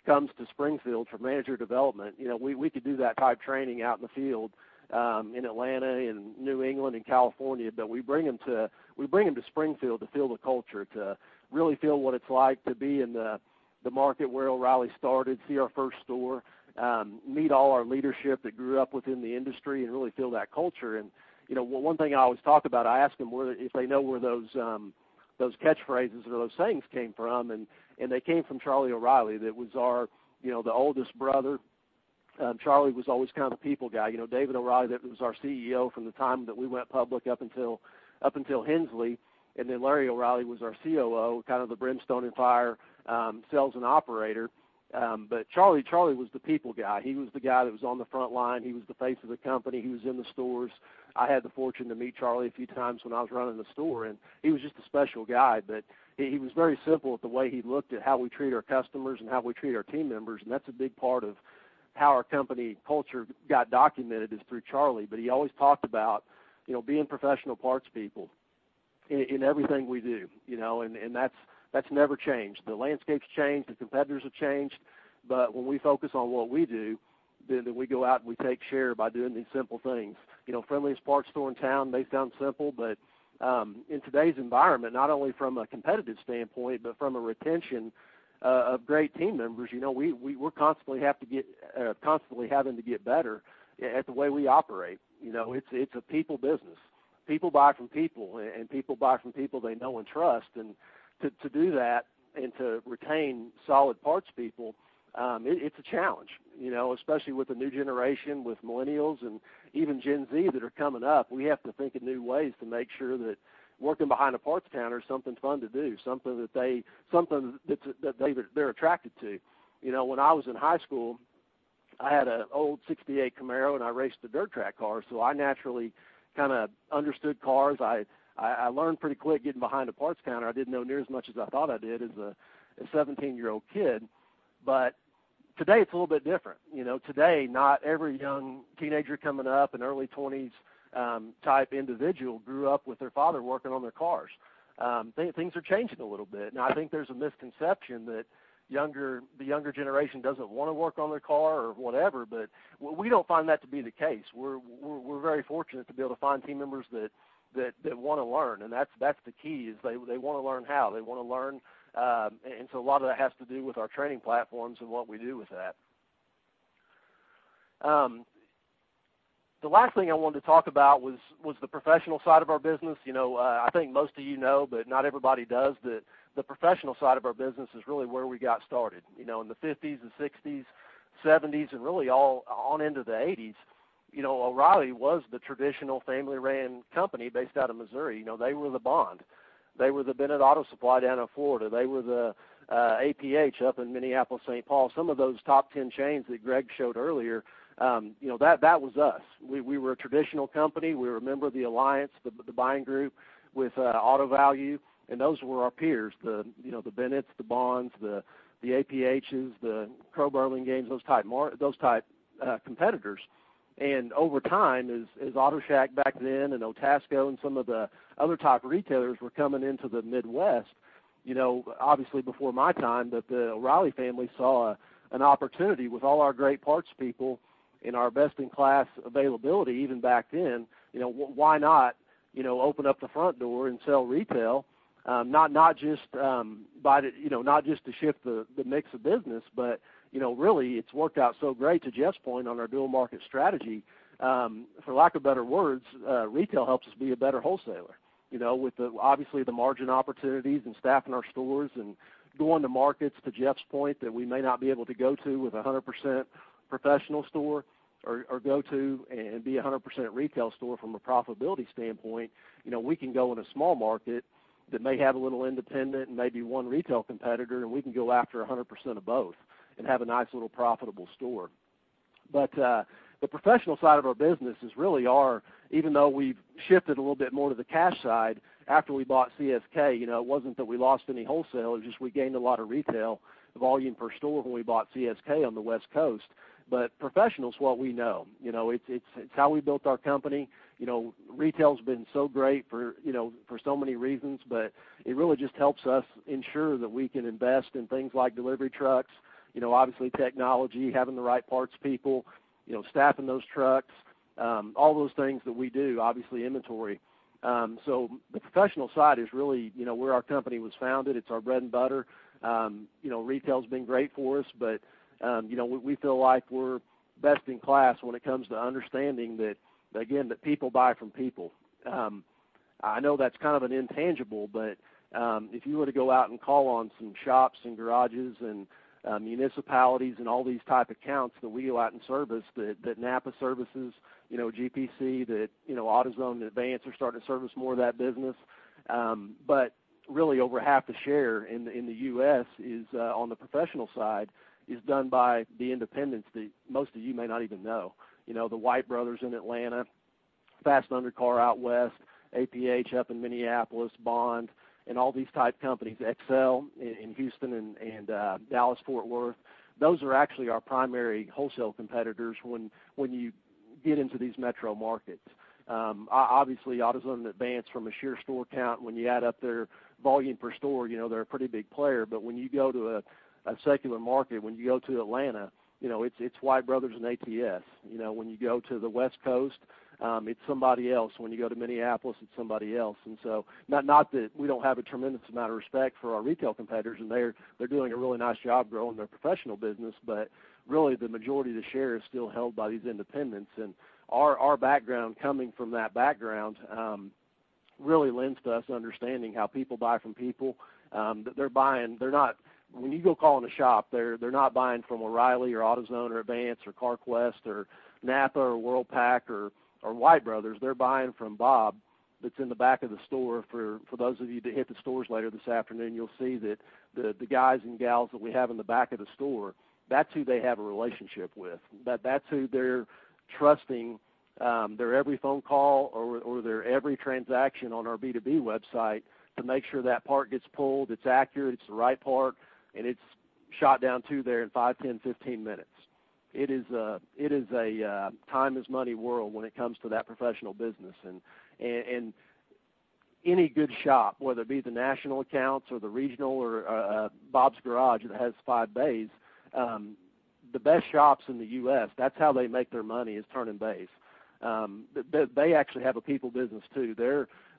comes to Springfield for manager development. We could do that type of training out in the field, in Atlanta, in New England, in California, but we bring them to Springfield to feel the culture, to really feel what it's like to be in the market where O'Reilly started, see our first store, meet all our leadership that grew up within the industry and really feel that culture. One thing I always talk about, I ask them if they know where those catchphrases or those sayings came from. They came from Charlie O'Reilly. That was the oldest brother. Charlie was always the people guy. David O'Reilly, that was our CEO from the time that we went public up until Henslee, then Larry O'Reilly was our COO, kind of the brimstone and fire sales and operator. Charlie was the people guy. He was the guy that was on the front line. He was the face of the company. He was in the stores. I had the fortune to meet Charlie a few times when I was running the store. He was just a special guy. He was very simple with the way he looked at how we treat our customers and how we treat our team members. That's a big part of how our company culture got documented is through Charlie. He always talked about being professional parts people in everything we do. That's never changed. The landscape's changed, the competitors have changed, when we focus on what we do, we go out and we take share by doing these simple things. Friendliest parts store in town may sound simple, but in today's environment, not only from a competitive standpoint but from a retention of great team members, we're constantly having to get better at the way we operate. It's a people business. People buy from people, and people buy from people they know and trust. To do that and to retain solid parts people, it's a challenge especially with the new generation, with millennials and even Gen Z that are coming up. We have to think of new ways to make sure that working behind a parts counter is something fun to do, something that they're attracted to. When I was in high school, I had an old '68 Camaro and I raced a dirt track car, so I naturally understood cars. I learned pretty quick getting behind a parts counter, I didn't know near as much as I thought I did as a 17-year-old kid. Today it's a little bit different. Today, not every young teenager coming up in early 20s type individual grew up with their father working on their cars. Things are changing a little bit. Now, I think there's a misconception that the younger generation doesn't want to work on their car or whatever, but we don't find that to be the case. We're very fortunate to be able to find team members that want to learn, and that's the key is they want to learn how. They want to learn, and so a lot of that has to do with our training platforms and what we do with that. The last thing I wanted to talk about was the professional side of our business. I think most of you know, but not everybody does, that the professional side of our business is really where we got started. In the '50s and '60s, '70s, and really all on into the '80s, O'Reilly was the traditional family-ran company based out of Missouri. They were the Bond. They were the Bennett Auto Supply down in Florida. They were the APH up in Minneapolis-St. Paul. Some of those top 10 chains that Greg showed earlier, that was us. We were a traditional company. We were a member of the Alliance, the buying group with Auto Value, and those were our peers, the Bennetts, the Bonds, the APHs, the Crow-Burlingame, those type competitors. Over time, as Auto Shack back then and Otasco and some of the other top retailers were coming into the Midwest, obviously before my time, but the O'Reilly family saw an opportunity with all our great parts people and our best-in-class availability even back then, why not open up the front door and sell retail? Not just to shift the mix of business, but really it's worked out so great, to Jeff's point, on our dual market strategy. For lack of better words, retail helps us be a better wholesaler. With obviously the margin opportunities and staffing our stores and going to markets, to Jeff's point, that we may not be able to go to with 100% professional store or go to and be 100% retail store from a profitability standpoint. We can go in a small market that may have a little independent and maybe one retail competitor, and we can go after 100% of both and have a nice little profitable store. The professional side of our business is really our, even though we've shifted a little bit more to the cash side after we bought CSK, it wasn't that we lost any wholesale, it's just we gained a lot of retail volume per store when we bought CSK on the West Coast. Professional's what we know. It's how we built our company. Retail's been so great for so many reasons, but it really just helps us ensure that we can invest in things like delivery trucks, obviously technology, having the right parts people, staffing those trucks, all those things that we do, obviously inventory. The professional side is really where our company was founded. It's our bread and butter. Retail's been great for us, we feel like we're best in class when it comes to understanding that, again, that people buy from people I know that's kind of an intangible, if you were to go out and call on some shops and garages and municipalities and all these type accounts that we go out and service, that NAPA services, GPC, that AutoZone and Advance are starting to service more of that business. Really over half the share in the U.S., on the professional side, is done by the independents that most of you may not even know. The White Brothers in Atlanta, Fast Undercar out west, APH up in Minneapolis, Bond, and all these type companies. XL in Houston and Dallas-Fort Worth. Those are actually our primary wholesale competitors when you get into these metro markets. Obviously, AutoZone and Advance from a sheer store count, when you add up their volume per store, they're a pretty big player. When you go to a secular market, when you go to Atlanta, it's White Brothers and ATS. When you go to the West Coast, it's somebody else. When you go to Minneapolis, it's somebody else. Not that we don't have a tremendous amount of respect for our retail competitors, and they're doing a really nice job growing their professional business, really the majority of the share is still held by these independents. Our background coming from that background really lends to us understanding how people buy from people. When you go call in a shop, they're not buying from O'Reilly or AutoZone or Advance or Carquest or NAPA or Worldpac or White Brothers. They're buying from Bob that's in the back of the store. For those of you that hit the stores later this afternoon, you'll see that the guys and gals that we have in the back of the store, that's who they have a relationship with. That's who they're trusting their every phone call or their every transaction on our B2B website to make sure that part gets pulled, it's accurate, it's the right part, and it's shot down to there in five, 10, 15 minutes. It is a time is money world when it comes to that professional business. Any good shop, whether it be the national accounts or the regional or Bob's Garage that has five bays, the best shops in the U.S., that's how they make their money is turning bays. They actually have a people business, too.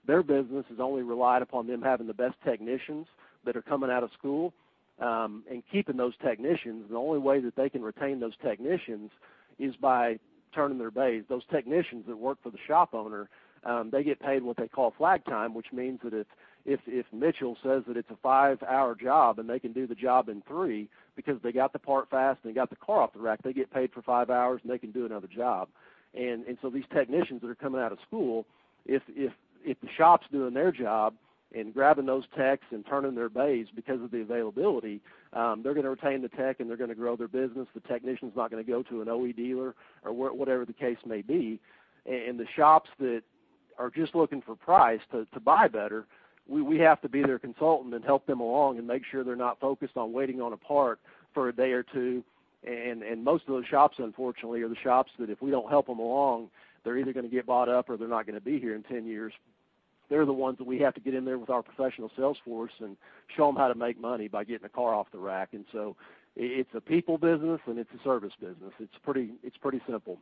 Their business is only relied upon them having the best technicians that are coming out of school and keeping those technicians. The only way that they can retain those technicians is by turning their bays. Those technicians that work for the shop owner, they get paid what they call flag time, which means that if Mitchell says that it's a five-hour job and they can do the job in three because they got the part fast and they got the car off the rack, they get paid for five hours and they can do another job. These technicians that are coming out of school, if the shop's doing their job and grabbing those techs and turning their bays because of the availability, they're going to retain the tech and they're going to grow their business. The technician's not going to go to an OE dealer or whatever the case may be. The shops that are just looking for price to buy better, we have to be their consultant and help them along and make sure they're not focused on waiting on a part for a day or two. Most of those shops, unfortunately, are the shops that if we don't help them along, they're either going to get bought up or they're not going to be here in 10 years. They're the ones that we have to get in there with our professional sales force and show them how to make money by getting a car off the rack. It's a people business and it's a service business. It's pretty simple.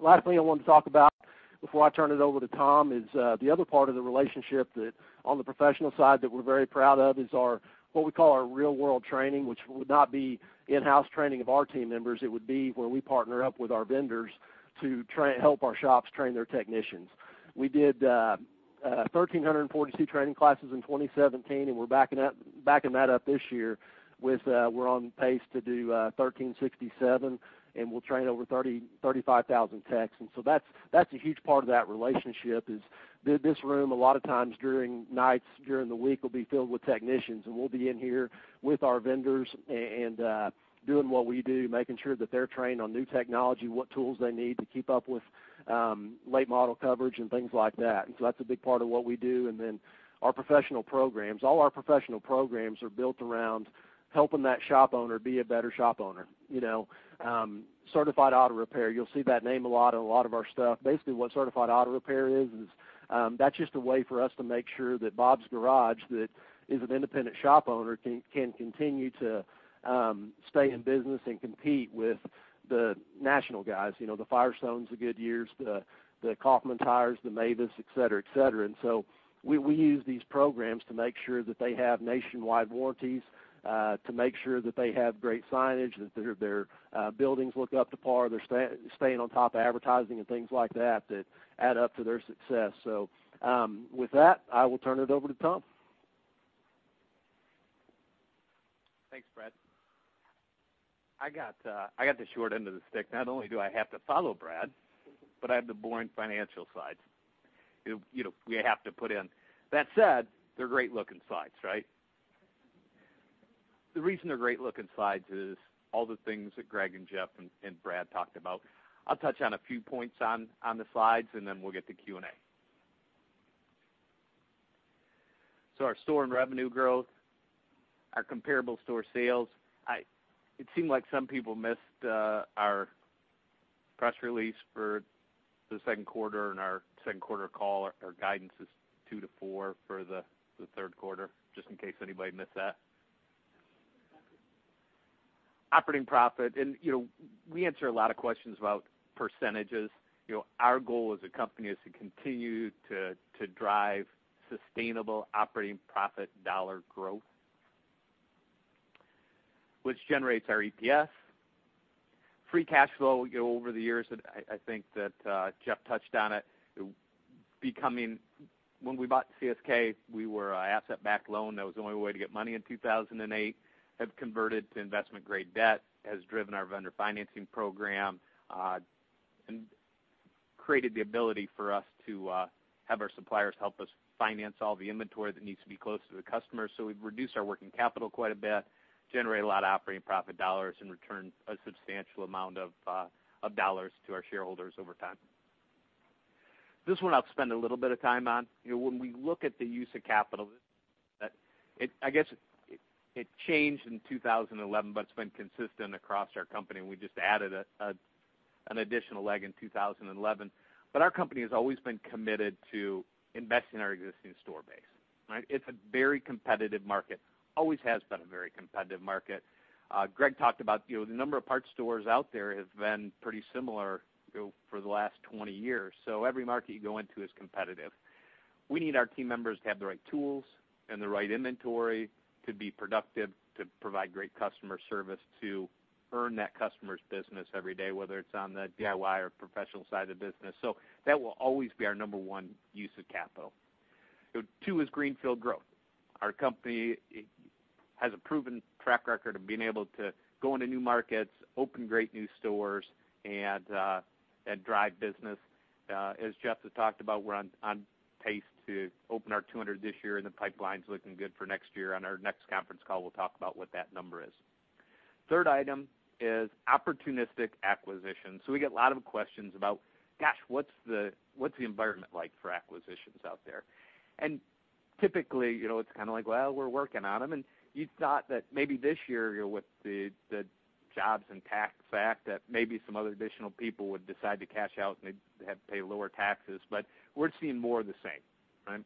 Last thing I want to talk about before I turn it over to Tom is the other part of the relationship that on the professional side that we're very proud of is what we call our real-world training, which would not be in-house training of our team members. It would be where we partner up with our vendors to help our shops train their technicians. We did 1,342 training classes in 2017, and we're backing that up this year. We're on pace to do 1,367, and we'll train over 35,000 techs. That's a huge part of that relationship is this room a lot of times during nights during the week will be filled with technicians, and we'll be in here with our vendors and doing what we do, making sure that they're trained on new technology, what tools they need to keep up with late model coverage and things like that. That's a big part of what we do. Then our professional programs, all our professional programs are built around helping that shop owner be a better shop owner. Certified Auto Repair, you'll see that name a lot on a lot of our stuff. Basically, what Certified Auto Repair is, that's just a way for us to make sure that Bob's Garage, that is an independent shop owner, can continue to stay in business and compete with the national guys, the Firestones, the Goodyears, the Kaufman Tires, the Mavis, et cetera. We use these programs to make sure that they have nationwide warranties, to make sure that they have great signage, that their buildings look up to par, they're staying on top of advertising and things like that add up to their success. With that, I will turn it over to Tom. Thanks, Brad. I got the short end of the stick. Not only do I have to follow Brad, but I have the boring financial slides we have to put in. That said, they're great-looking slides, right? The reason they're great-looking slides is all the things that Greg and Jeff and Brad talked about. I'll touch on a few points on the slides, we'll get to Q&A. Our store and revenue growth, our comparable store sales. It seemed like some people missed our press release for the second quarter and our second quarter call. Our guidance is 2% to 4% for the third quarter, just in case anybody missed that. Operating profit, we answer a lot of questions about percentages. Our goal as a company is to continue to drive sustainable operating profit dollar growth. Which generates our EPS. Free cash flow over the years, I think that Jeff touched on it, when we bought CSK, we were an asset-backed loan. That was the only way to get money in 2008. Have converted to investment-grade debt, has driven our vendor financing program, and created the ability for us to have our suppliers help us finance all the inventory that needs to be close to the customer. We've reduced our working capital quite a bit, generate a lot of operating profit dollars, and return a substantial amount of dollars to our shareholders over time. This one I'll spend a little bit of time on. When we look at the use of capital, I guess it changed in 2011, but it's been consistent across our company, and we just added an additional leg in 2011. Our company has always been committed to investing in our existing store base. It's a very competitive market, always has been a very competitive market. Greg talked about the number of parts stores out there have been pretty similar for the last 20 years. Every market you go into is competitive. We need our team members to have the right tools and the right inventory to be productive, to provide great customer service, to earn that customer's business every day, whether it's on the DIY or professional side of the business. That will always be our number 1 use of capital. 2 is greenfield growth. Our company has a proven track record of being able to go into new markets, open great new stores, and drive business. As Jeff has talked about, we're on pace to open our 200 this year, and the pipeline's looking good for next year. On our next conference call, we'll talk about what that number is. Third item is opportunistic acquisition. We get a lot of questions about, gosh, what's the environment like for acquisitions out there? Typically, it's like, well, we're working on them. You'd thought that maybe this year with the Tax Cuts and Jobs Act, that maybe some other additional people would decide to cash out and they'd have to pay lower taxes, we're seeing more of the same.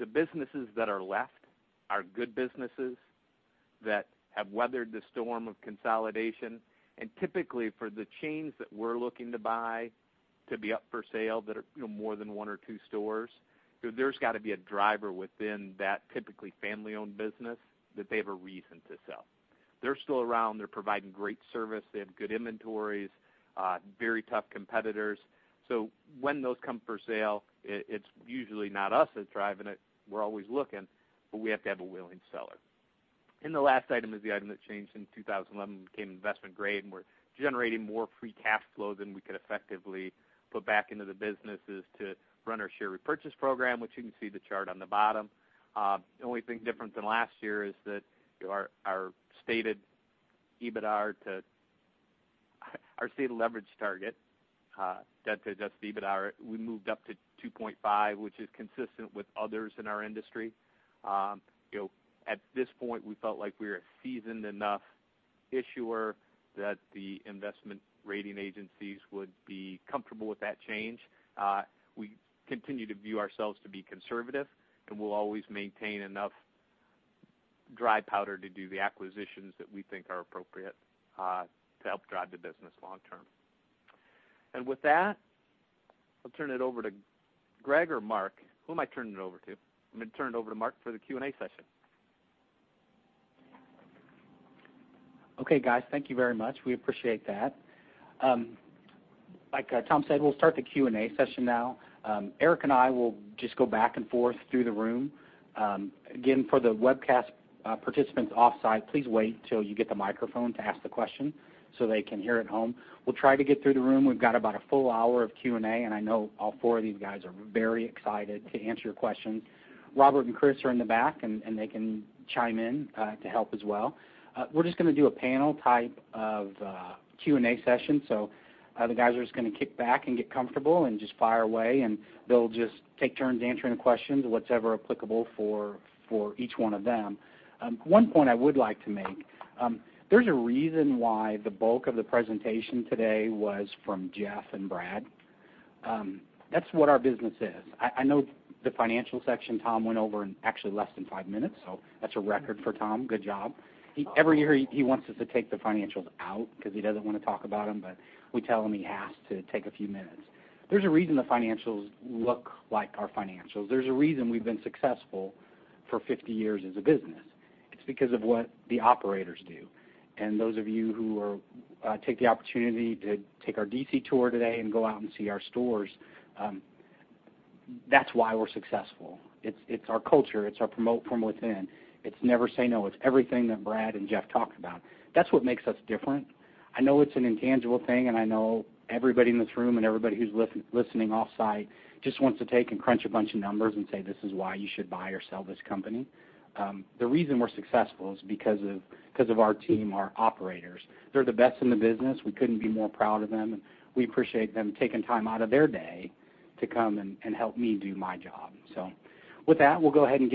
The businesses that are left are good businesses that have weathered the storm of consolidation. Typically, for the chains that we're looking to buy to be up for sale that are more than one or two stores, there's got to be a driver within that typically family-owned business that they have a reason to sell. They're still around. They're providing great service. They have good inventories, very tough competitors. When those come for sale, it's usually not us that's driving it. We're always looking, we have to have a willing seller. The last item is the item that changed in 2011, became investment grade, and we're generating more free cash flow than we could effectively put back into the business, is to run our share repurchase program, which you can see the chart on the bottom. The only thing different than last year is that our stated leverage target, debt to adjusted EBITDA, we moved up to 2.5, which is consistent with others in our industry. At this point, we felt like we were a seasoned enough issuer that the investment rating agencies would be comfortable with that change. We continue to view ourselves to be conservative, we'll always maintain enough dry powder to do the acquisitions that we think are appropriate to help drive the business long term. With that, I'll turn it over to Greg or Mark. Who am I turning it over to? I'm going to turn it over to Mark for the Q&A session. Okay, guys, thank you very much. We appreciate that. Like Tom said, we'll start the Q&A session now. Eric and I will just go back and forth through the room. Again, for the webcast participants off-site, please wait till you get the microphone to ask the question so they can hear at home. We'll try to get through the room. We've got about a full hour of Q&A, I know all four of these guys are very excited to answer your questions. Robert and Chris are in the back, they can chime in to help as well. We're just going to do a panel type of Q&A session. The guys are just going to kick back and get comfortable and just fire away, and they'll just take turns answering the questions, whatever applicable for each one of them. One point I would like to make, there's a reason why the bulk of the presentation today was from Jeff and Brad. That's what our business is. I know the financial section, Tom went over in actually less than five minutes, so that's a record for Tom. Good job. Every year he wants us to take the financials out because he doesn't want to talk about them, but we tell him he has to take a few minutes. There's a reason the financials look like our financials. There's a reason we've been successful for 50 years as a business. It's because of what the operators do. Those of you who take the opportunity to take our DC tour today and go out and see our stores, that's why we're successful. It's our culture. It's our promote from within. It's never say no. It's everything that Brad and Jeff talked about. That's what makes us different. I know it's an intangible thing, and I know everybody in this room and everybody who's listening off-site just wants to take and crunch a bunch of numbers and say, "This is why you should buy or sell this company." The reason we're successful is because of our team, our operators. They're the best in the business. We couldn't be more proud of them. We appreciate them taking time out of their day to come and help me do my job. With that, we'll go ahead and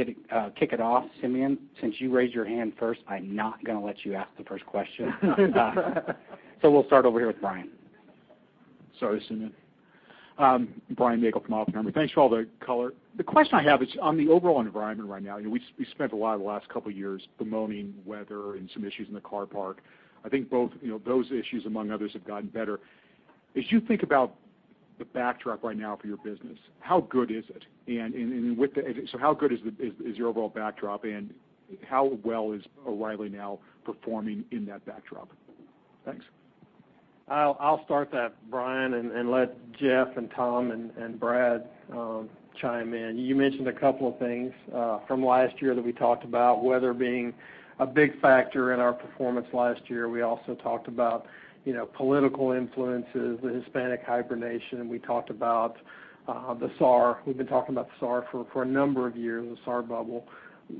kick it off. Simeon, since you raised your hand first, I'm not going to let you ask the first question. We'll start over here with Brian. Sorry, Simeon. Brian Nagel from Oppenheimer. Thanks for all the color. The question I have is on the overall environment right now. We spent a lot of the last couple of years bemoaning weather and some issues in the car park. I think both those issues, among others, have gotten better. As you think about the backdrop right now for your business. How good is it? How good is your overall backdrop, and how well is O’Reilly now performing in that backdrop? Thanks. I'll start that, Brian, and let Jeff and Tom and Brad chime in. You mentioned a couple of things from last year that we talked about, weather being a big factor in our performance last year. We also talked about political influences, the Hispanic hibernation, and we talked about the SAR. We've been talking about the SAR for a number of years, the SAR bubble.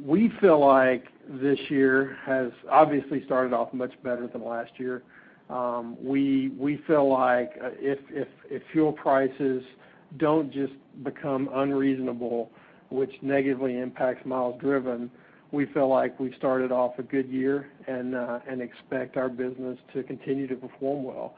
We feel like this year has obviously started off much better than last year. We feel like if fuel prices don't just become unreasonable, which negatively impacts miles driven, we feel like we've started off a good year and expect our business to continue to perform well.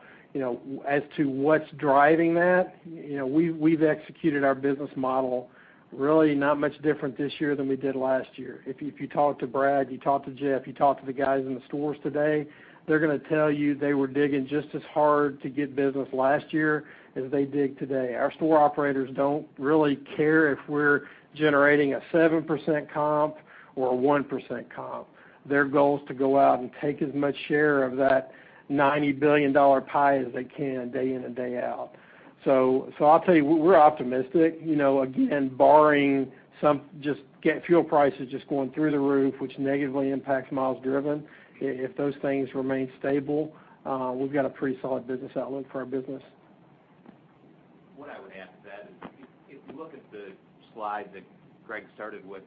As to what's driving that, we've executed our business model really not much different this year than we did last year. If you talk to Brad, you talk to Jeff, you talk to the guys in the stores today, they're going to tell you they were digging just as hard to get business last year as they dig today. Our store operators don't really care if we're generating a 7% comp or a 1% comp. Their goal is to go out and take as much share of that $90 billion pie as they can day in and day out. I'll tell you, we're optimistic. Again, barring some fuel prices just going through the roof, which negatively impacts miles driven. If those things remain stable, we've got a pretty solid business outlook for our business. What I would add to that is, if you look at the slide that Greg started with,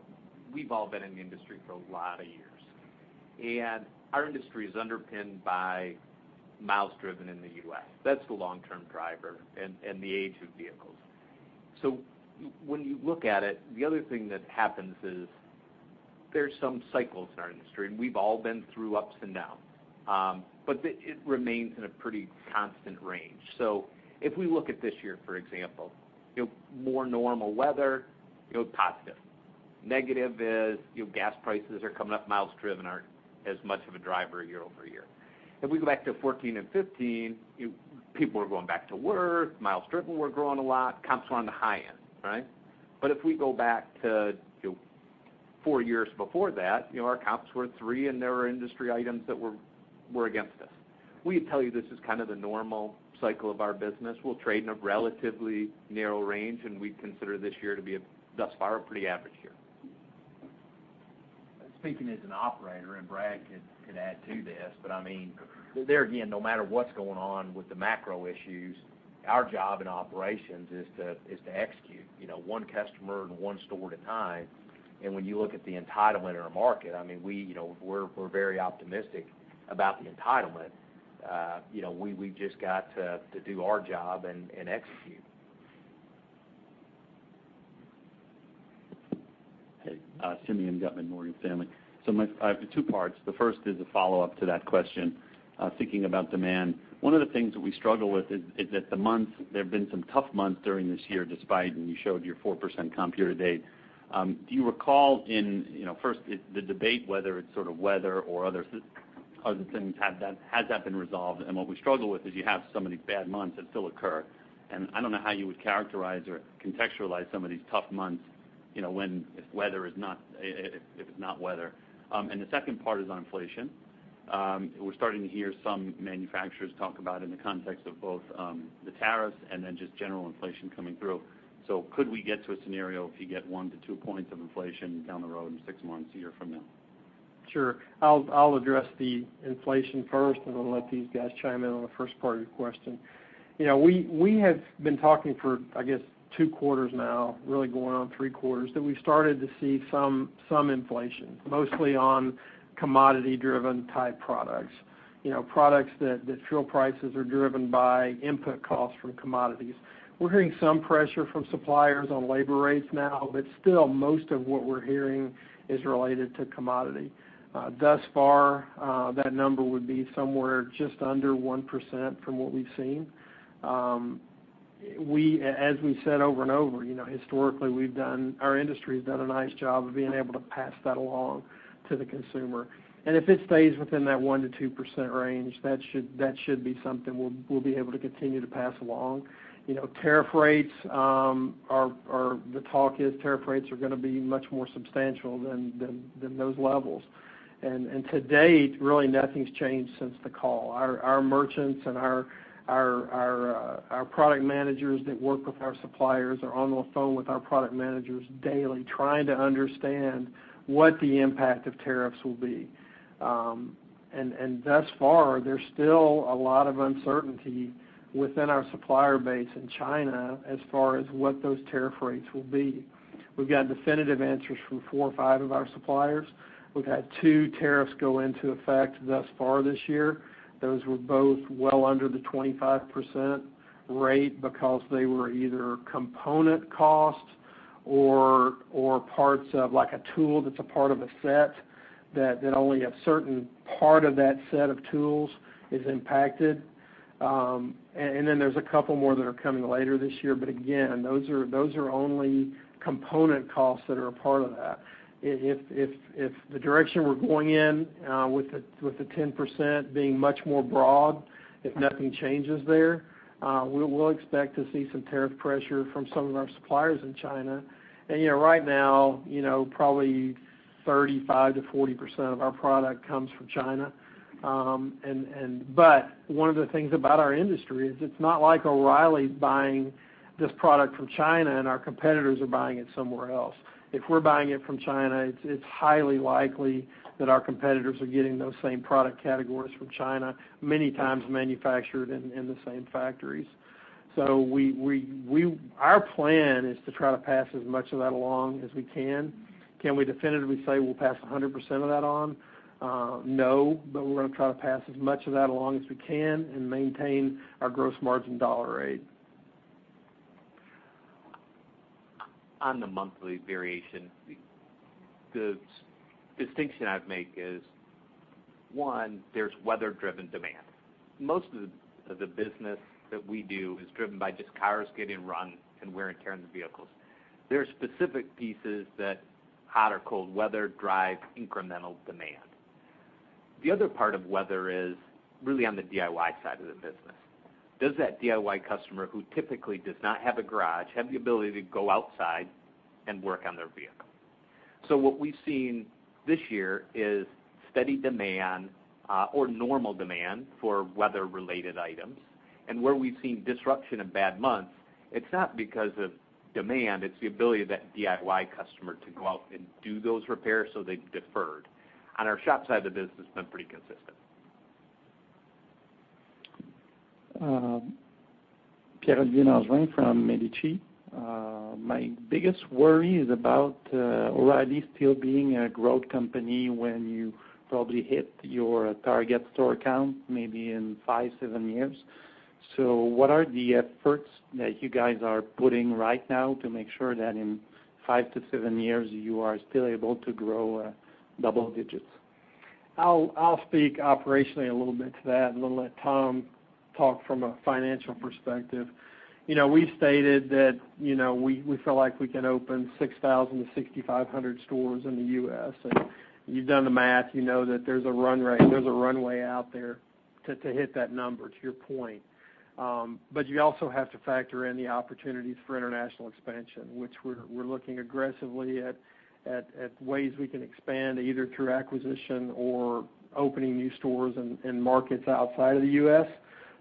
we've all been in the industry for a lot of years, and our industry is underpinned by miles driven in the U.S. That's the long-term driver, and the age of vehicles. When you look at it, the other thing that happens is there's some cycles in our industry, and we've all been through ups and downs. It remains in a pretty constant range. If we look at this year, for example, more normal weather, positive. Negative is gas prices are coming up, miles driven aren't as much of a driver year-over-year. If we go back to 2014 and 2015, people are going back to work, miles driven were growing a lot, comps were on the high end, right? If we go back to four years before that, our comps were 3% and there were industry items that were against us. We tell you this is kind of the normal cycle of our business. We'll trade in a relatively narrow range, and we consider this year to be thus far a pretty average year. Speaking as an operator, Brad could add to this, but there again, no matter what's going on with the macro issues, our job in operations is to execute one customer and one store at a time. When you look at the entitlement in our market, we're very optimistic about the entitlement. We've just got to do our job and execute. Hey, Simeon Gutman, Morgan Stanley. I have two parts. The first is a follow-up to that question, thinking about demand. One of the things that we struggle with is that there have been some tough months during this year, despite, and you showed your 4% comp year to date. Do you recall, first, the debate whether it's sort of weather or other things, has that been resolved? What we struggle with is you have so many bad months that still occur, and I don't know how you would characterize or contextualize some of these tough months, if it's not weather. The second part is on inflation. We're starting to hear some manufacturers talk about in the context of both the tariffs and then just general inflation coming through. Could we get to a scenario if you get 1 to 2 points of inflation down the road in 6 months, a year from now? Sure. I'll address the inflation first, and then let these guys chime in on the first part of your question. We have been talking for, I guess, 2 quarters now, really going on 3 quarters, that we started to see some inflation, mostly on commodity-driven type products. Products that fuel prices are driven by input costs from commodities. We're hearing some pressure from suppliers on labor rates now, but still, most of what we're hearing is related to commodity. Thus far, that number would be somewhere just under 1% from what we've seen. As we said over and over, historically our industry's done a nice job of being able to pass that along to the consumer. If it stays within that 1 to 2% range, that should be something we'll be able to continue to pass along. The talk is tariff rates are going to be much more substantial than those levels. To date, really nothing's changed since the call. Our merchants and our product managers that work with our suppliers are on the phone with our product managers daily trying to understand what the impact of tariffs will be. Thus far, there's still a lot of uncertainty within our supplier base in China as far as what those tariff rates will be. We've got definitive answers from 4 or 5 of our suppliers. We've had 2 tariffs go into effect thus far this year. Those were both well under the 25% rate because they were either component costs or parts of like a tool that's a part of a set that only a certain part of that set of tools is impacted. Then there's a couple more that are coming later this year. Again, those are only component costs that are a part of that. If the direction we're going in with the 10% being much more broad, if nothing changes there, we'll expect to see some tariff pressure from some of our suppliers in China. Right now, probably 35%-40% of our product comes from China. One of the things about our industry is it's not like O'Reilly's buying this product from China and our competitors are buying it somewhere else. If we're buying it from China, it's highly likely that our competitors are getting those same product categories from China, many times manufactured in the same factories. Our plan is to try to pass as much of that along as we can. Can we definitively say we'll pass 100% of that on? No. We're going to try to pass as much of that along as we can and maintain our gross margin dollar rate. On the monthly variation, the distinction I'd make is, one, there's weather-driven demand. Most of the business that we do is driven by just cars getting run and wear and tear on the vehicles. There are specific pieces that hot or cold weather drive incremental demand. The other part of weather is really on the DIY side of the business. Does that DIY customer who typically does not have a garage have the ability to go outside and work on their vehicle? What we've seen this year is steady demand or normal demand for weather-related items. Where we've seen disruption in bad months, it's not because of demand, it's the ability of that DIY customer to go out and do those repairs, so they've deferred. On our shop side of the business, it's been pretty consistent. Pierre-Olivier Nasrin from Medici. My biggest worry is about O'Reilly still being a growth company when you probably hit your target store count, maybe in five, seven years. What are the efforts that you guys are putting right now to make sure that in five to seven years, you are still able to grow double digits? I'll speak operationally a little bit to that, then let Tom talk from a financial perspective. We've stated that we feel like we can open 6,000-6,500 stores in the U.S., and you've done the math, you know that there's a runway out there to hit that number, to your point. You also have to factor in the opportunities for international expansion, which we're looking aggressively at ways we can expand, either through acquisition or opening new stores and markets outside of the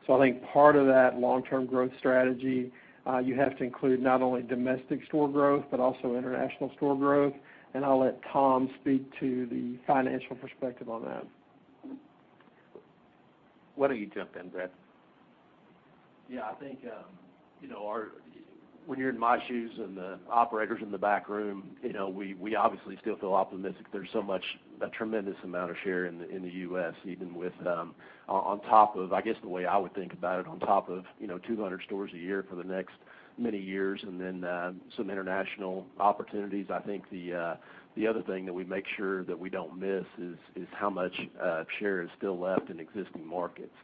U.S. I think part of that long-term growth strategy you have to include not only domestic store growth, but also international store growth. I'll let Tom speak to the financial perspective on that. Why don't you jump in, Brad? Yeah, I think when you're in my shoes and the operators in the back room, we obviously still feel optimistic. There's so much, a tremendous amount of share in the U.S., even with on top of, I guess the way I would think about it, on top of 200 stores a year for the next many years, then some international opportunities. I think the other thing that we make sure that we don't miss is how much share is still left in existing markets.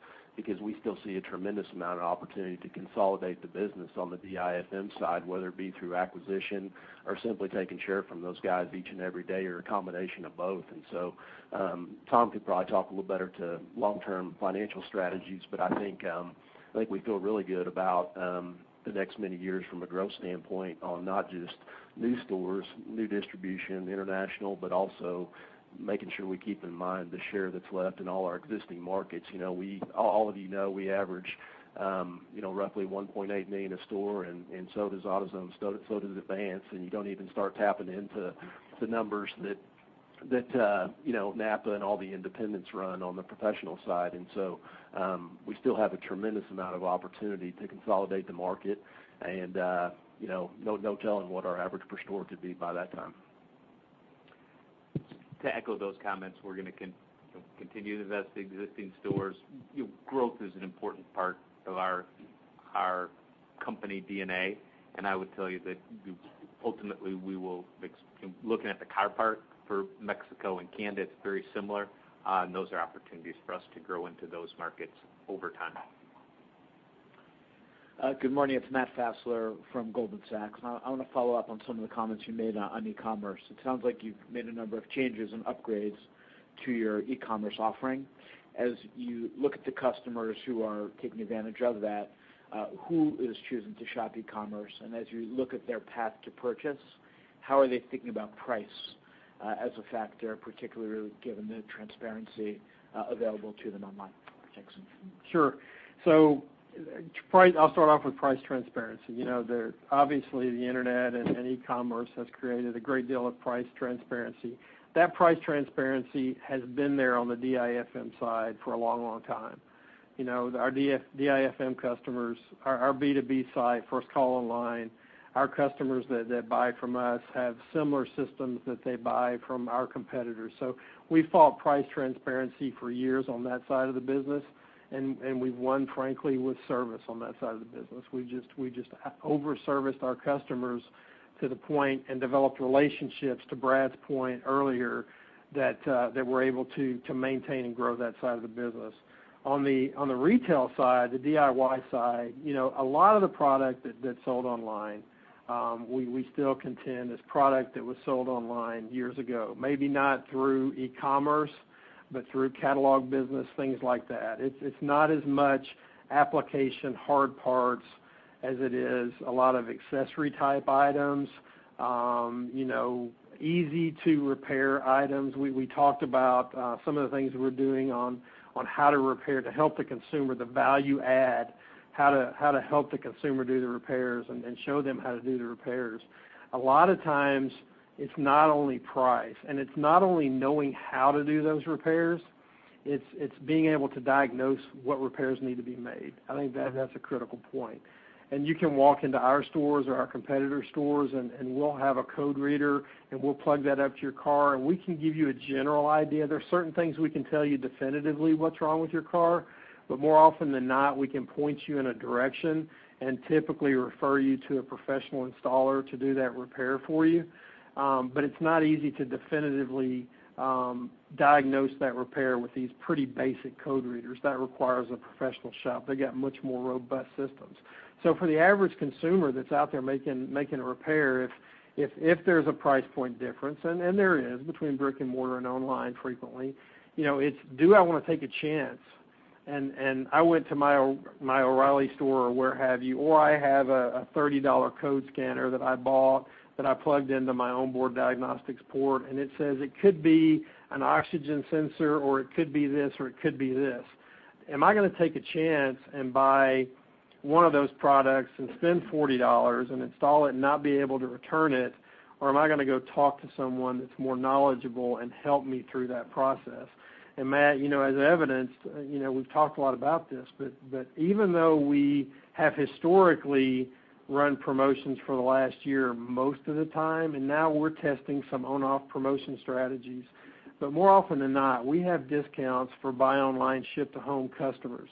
We still see a tremendous amount of opportunity to consolidate the business on the DIFM side, whether it be through acquisition or simply taking share from those guys each and every day or a combination of both. Tom could probably talk a little better to long-term financial strategies, but I think we feel really good about the next many years from a growth standpoint on not just new stores, new distribution, international, but also making sure we keep in mind the share that's left in all our existing markets. All of you know we average roughly $1.8 million a store and so does AutoZone, so does Advance, and you don't even start tapping into the numbers that NAPA and all the independents run on the professional side. We still have a tremendous amount of opportunity to consolidate the market, and no telling what our average per store could be by that time. To echo those comments, we're going to continue to invest in existing stores. Growth is an important part of our company DNA, and I would tell you that ultimately we will be looking at the car part for Mexico and Canada, it's very similar, and those are opportunities for us to grow into those markets over time. Good morning. It's Matt Fassler from Goldman Sachs. I want to follow up on some of the comments you made on e-commerce. It sounds like you've made a number of changes and upgrades to your e-commerce offering. As you look at the customers who are taking advantage of that, who is choosing to shop e-commerce? As you look at their path to purchase, how are they thinking about price as a factor, particularly given the transparency available to them online? Thanks. Sure. I'll start off with price transparency. Obviously, the internet and e-commerce has created a great deal of price transparency. That price transparency has been there on the DIFM side for a long time. Our DIFM customers, our B2B side, FirstCall Online, our customers that buy from us have similar systems that they buy from our competitors. We fought price transparency for years on that side of the business, and we've won, frankly, with service on that side of the business. We just over-serviced our customers to the point and developed relationships, to Brad's point earlier, that we're able to maintain and grow that side of the business. On the retail side, the DIY side, a lot of the product that's sold online we still contend is product that was sold online years ago, maybe not through e-commerce, but through catalog business, things like that. It's not as much application, hard parts as it is a lot of accessory type items, easy to repair items. We talked about some of the things we're doing on how to repair to help the consumer, the value add, how to help the consumer do the repairs and show them how to do the repairs. A lot of times it's not only price, and it's not only knowing how to do those repairs, it's being able to diagnose what repairs need to be made. I think that's a critical point. You can walk into our stores or our competitor stores and we'll have a code reader, and we'll plug that up to your car, and we can give you a general idea. There's certain things we can tell you definitively what's wrong with your car, more often than not, we can point you in a direction and typically refer you to a professional installer to do that repair for you. It's not easy to definitively diagnose that repair with these pretty basic code readers. That requires a professional shop. They got much more robust systems. For the average consumer that's out there making a repair, if there's a price point difference, and there is between brick and mortar and online frequently, it's, do I want to take a chance? I went to my O'Reilly store or where have you, or I have a $30 code scanner that I bought that I plugged into my onboard diagnostics port, and it says it could be an oxygen sensor, or it could be this, or it could be this. Am I going to take a chance and buy one of those products and spend $40 and install it and not be able to return it, or am I going to go talk to someone that's more knowledgeable and help me through that process? Matt, as evidenced, we've talked a lot about this, even though we have historically run promotions for the last year most of the time, now we're testing some on-off promotion strategies, more often than not, we have discounts for buy online, ship to home customers.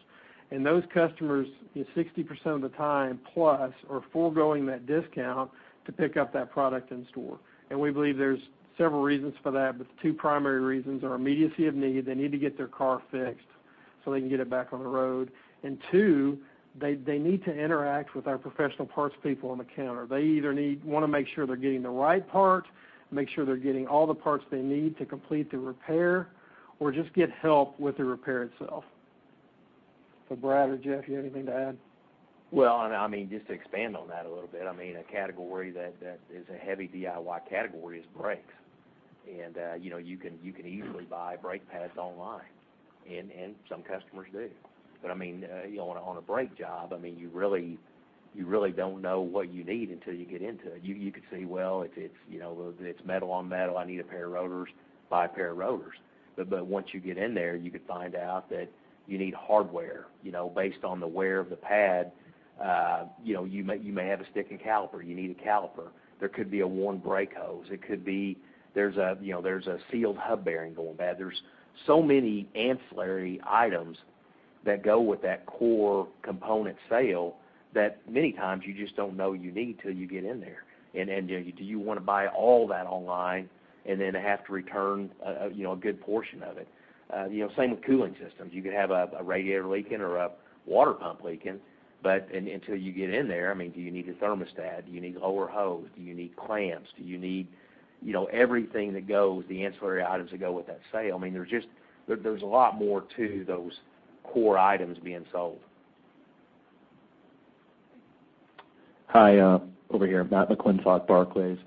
Those customers, 60% of the time plus are foregoing that discount to pick up that product in store. We believe there's several reasons for that, the two primary reasons are immediacy of need. They need to get their car fixed so they can get it back on the road. Two, they need to interact with our professional parts people on the counter. They either want to make sure they're getting the right part, make sure they're getting all the parts they need to complete the repair, or just get help with the repair itself. Brad or Jeff, you have anything to add? Well, just to expand on that a little bit, a category that is a heavy DIY category is brakes. You can easily buy brake pads online, and some customers do. On a brake job, you really don't know what you need until you get into it. You could say, "Well, if it's metal on metal, I need a pair of rotors, buy a pair of rotors." Once you get in there, you could find out that you need hardware based on the wear of the pad. You may have a sticking caliper. You need a caliper. There could be a worn brake hose. It could be there's a sealed hub bearing going bad. There's so many ancillary items that go with that core component sale that many times you just don't know you need till you get in there. Do you want to buy all that online and then have to return a good portion of it? Same with cooling systems. You could have a radiator leaking or a water pump leaking, but until you get in there, do you need a thermostat? Do you need a lower hose? Do you need clamps? Do you need everything that goes, the ancillary items that go with that sale? There's a lot more to those core items being sold. Hi, over here. Matt McClintock, Barclays.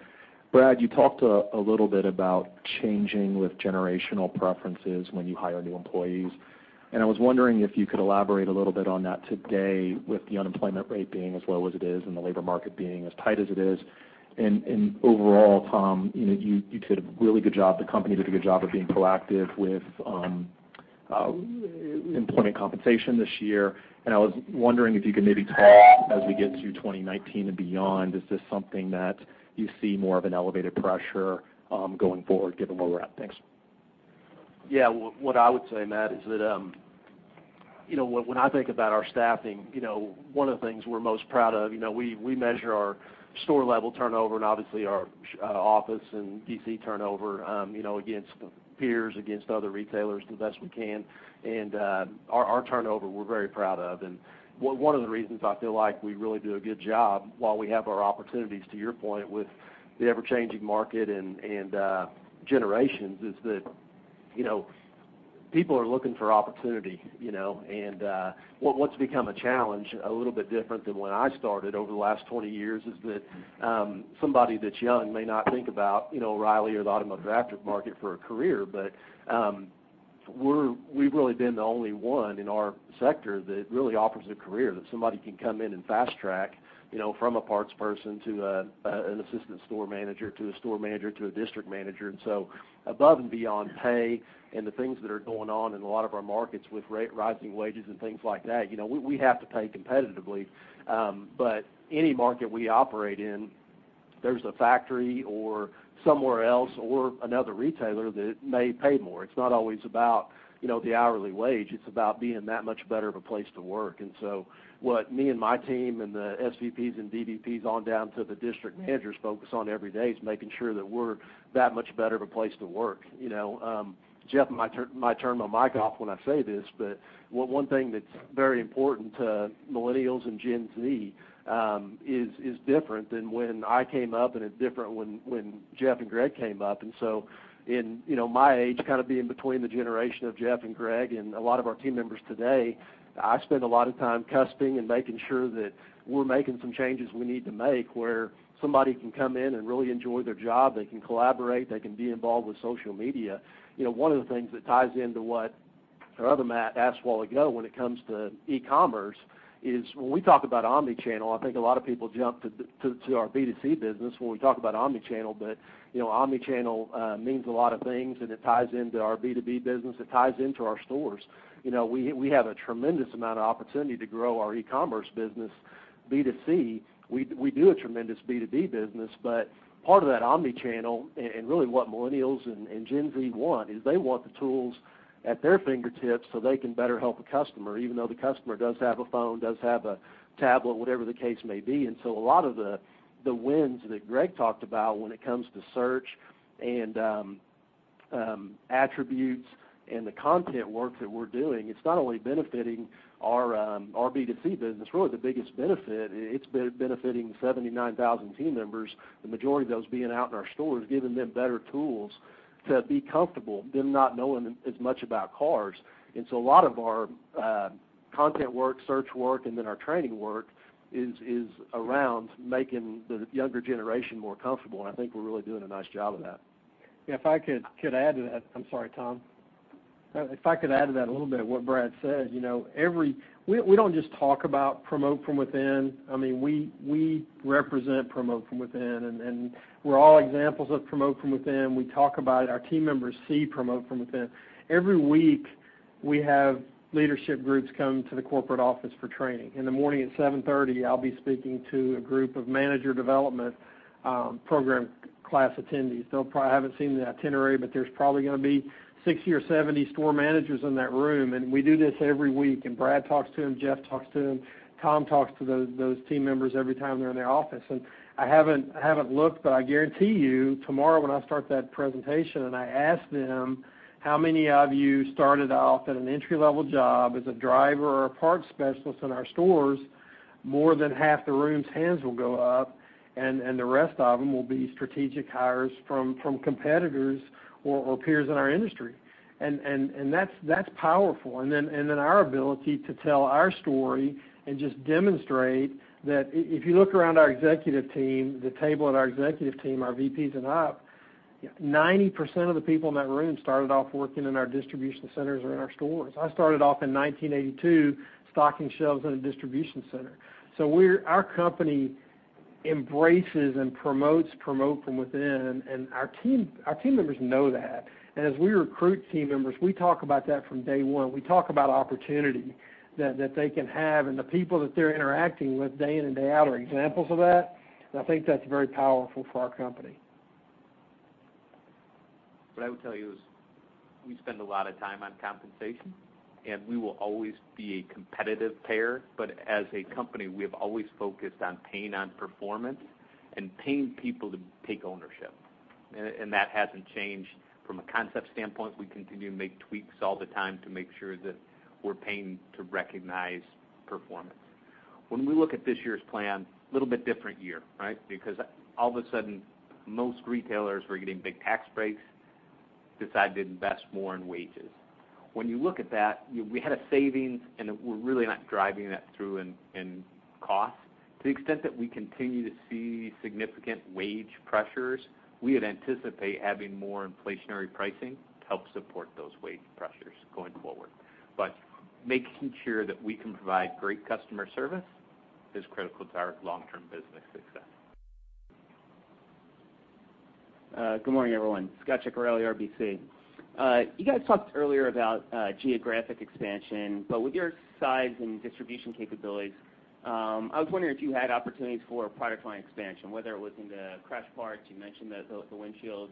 Brad, you talked a little bit about changing with generational preferences when you hire new employees. I was wondering if you could elaborate a little bit on that today with the unemployment rate being as low as it is and the labor market being as tight as it is. Overall, Tom, you did a really good job, the company did a good job of being proactive with employment compensation this year. I was wondering if you could maybe talk as we get to 2019 and beyond, is this something that you see more of an elevated pressure going forward given where we're at? Thanks. Yeah. What I would say, Matt, is that when I think about our staffing, one of the things we're most proud of, we measure our store level turnover and obviously our office and DC turnover against peers, against other retailers the best we can. Our turnover we're very proud of. One of the reasons I feel like we really do a good job while we have our opportunities, to your point, with the ever-changing market and generations, is that people are looking for opportunity. What's become a challenge a little bit different than when I started over the last 20 years is that somebody that's young may not think about O'Reilly or the automotive aftermarket for a career, but we've really been the only one in our sector that really offers a career that somebody can come in and fast track from a parts person to an assistant store manager to a store manager to a district manager. Above and beyond pay and the things that are going on in a lot of our markets with rising wages and things like that, we have to pay competitively. Any market we operate in, there's a factory or somewhere else or another retailer that may pay more. It's not always about the hourly wage. It's about being that much better of a place to work. What me and my team and the SVPs and DVPs on down to the district managers focus on every day is making sure that we're that much better of a place to work. Jeff might turn my mic off when I say this, but one thing that's very important to Millennials and Gen Z is different than when I came up and is different when Jeff and Greg came up. In my age, kind of being between the generation of Jeff and Greg and a lot of our team members today, I spend a lot of time cusping and making sure that we're making some changes we need to make where somebody can come in and really enjoy their job, they can collaborate, they can be involved with social media. One of the things that ties into what Our other Matt asked a while ago when it comes to e-commerce is when we talk about omni-channel, I think a lot of people jump to our B2C business when we talk about omni-channel. Omni-channel means a lot of things, and it ties into our B2B business, it ties into our stores. We have a tremendous amount of opportunity to grow our e-commerce business, B2C. We do a tremendous B2B business, but part of that omni-channel and really what Millennials and Gen Z want is they want the tools at their fingertips so they can better help a customer, even though the customer does have a phone, does have a tablet, whatever the case may be. A lot of the wins that Greg talked about when it comes to search and attributes and the content work that we're doing, it's not only benefiting our B2C business. Really the biggest benefit, it's benefiting 79,000 team members, the majority of those being out in our stores, giving them better tools to be comfortable, them not knowing as much about cars. A lot of our content work, search work, and then our training work is around making the younger generation more comfortable, and I think we're really doing a nice job of that. If I could add to that. I'm sorry, Tom. If I could add to that a little bit, what Brad said. We don't just talk about promote from within. We represent promote from within, and we're all examples of promote from within. We talk about it. Our team members see promote from within. Every week we have leadership groups come to the corporate office for training. In the morning at 7:30 A.M., I'll be speaking to a group of Manager Development Program class attendees. I haven't seen the itinerary, but there's probably going to be 60 or 70 store managers in that room, and we do this every week, and Brad talks to them, Jeff talks to them, Tom talks to those team members every time they're in the office. I haven't looked, but I guarantee you tomorrow when I start that presentation and I ask them how many of you started off at an entry-level job as a driver or a parts specialist in our stores, more than half the room's hands will go up, the rest of them will be strategic hires from competitors or peers in our industry. That's powerful. Our ability to tell our story and just demonstrate that if you look around our executive team, the table at our executive team, our VPs and up, 90% of the people in that room started off working in our distribution centers or in our stores. I started off in 1982 stocking shelves in a distribution center. Our company embraces and promotes from within, and our team members know that. As we recruit team members, we talk about that from day one. We talk about opportunity that they can have, and the people that they're interacting with day in and day out are examples of that. I think that's very powerful for our company. What I would tell you is we spend a lot of time on compensation, we will always be a competitive payer. As a company, we have always focused on paying on performance and paying people to take ownership, that hasn't changed from a concept standpoint. We continue to make tweaks all the time to make sure that we're paying to recognize performance. We look at this year's plan, little bit different year, right? All of a sudden, most retailers were getting big tax breaks, decided to invest more in wages. We look at that, we had a savings, we're really not driving that through in cost. To the extent that we continue to see significant wage pressures, we would anticipate having more inflationary pricing to help support those wage pressures going forward. Making sure that we can provide great customer service is critical to our long-term business success. Good morning, everyone. Scot Ciccarelli, RBC. With your size and distribution capabilities, I was wondering if you had opportunities for product line expansion, whether it was in the crash parts, you mentioned the windshields,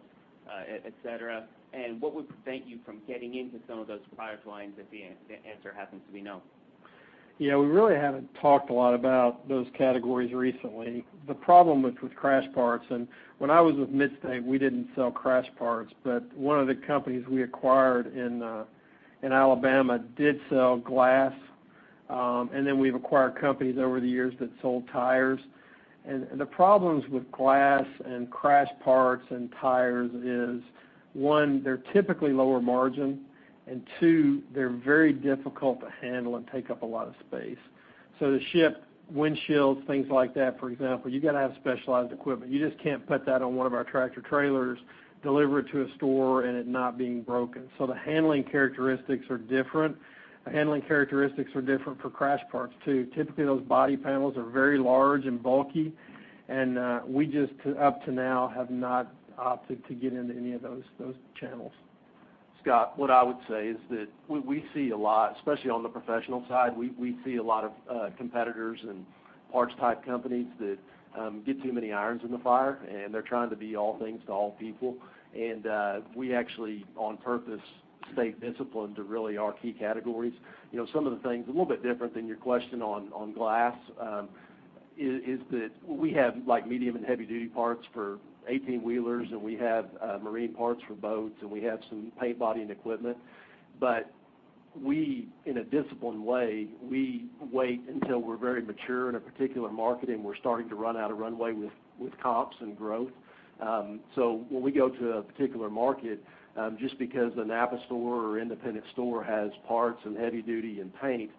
et cetera, and what would prevent you from getting into some of those product lines if the answer happens to be no? We really haven't talked a lot about those categories recently. The problem with crash parts, and when I was with Mid-State, we didn't sell crash parts, but one of the companies we acquired in Alabama did sell glass, and then we've acquired companies over the years that sold tires. The problems with glass and crash parts and tires is, one, they're typically lower margin, and two, they're very difficult to handle and take up a lot of space. To ship windshields, things like that, for example, you got to have specialized equipment. You just can't put that on one of our tractor trailers, deliver it to a store, and it not being broken. The handling characteristics are different. The handling characteristics are different for crash parts, too. Typically, those body panels are very large and bulky, and we just up to now have not opted to get into any of those channels. Scot, what I would say is that we see a lot, especially on the professional side, we see a lot of competitors and parts type companies that get too many irons in the fire, and they're trying to be all things to all people. We actually, on purpose, stay disciplined to really our key categories. Some of the things, a little bit different than your question on glass, is that we have medium and heavy duty parts for 18-wheelers, and we have marine parts for boats, and we have some paint, body, and equipment. We, in a disciplined way, we wait until we're very mature in a particular market and we're starting to run out of runway with comps and growth. When we go to a particular market, just because a NAPA store or independent store has parts and heavy duty and paint,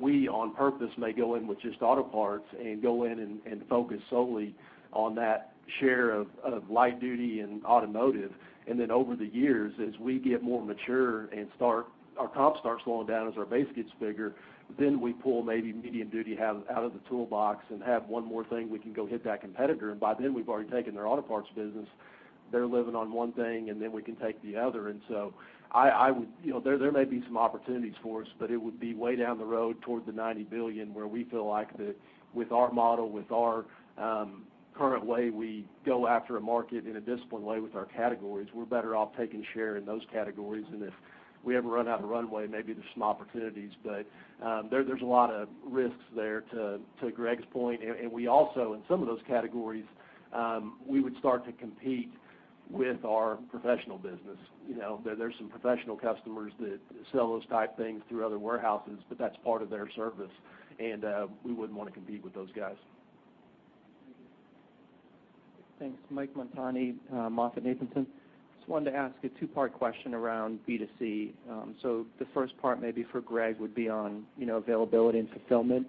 we on purpose may go in with just auto parts and go in and focus solely on that share of light duty and automotive. Then over the years, as we get more mature and our comp starts slowing down as our base gets bigger, then we pull maybe medium duty out of the toolbox and have one more thing we can go hit that competitor. By then, we've already taken their auto parts business. They're living on one thing, and then we can take the other. There may be some opportunities for us, but it would be way down the road toward the $90 billion, where we feel like that with our model, with our current way we go after a market in a disciplined way with our categories, we're better off taking share in those categories. If we ever run out of runway, maybe there's some opportunities. There's a lot of risks there to Greg's point. We also, in some of those categories, we would start to compete with our professional business. There's some professional customers that sell those type things through other warehouses, but that's part of their service, and we wouldn't want to compete with those guys. Thanks. Mike Montani, MoffettNathanson. Just wanted to ask a two-part question around B2C. The first part maybe for Greg would be on availability and fulfillment.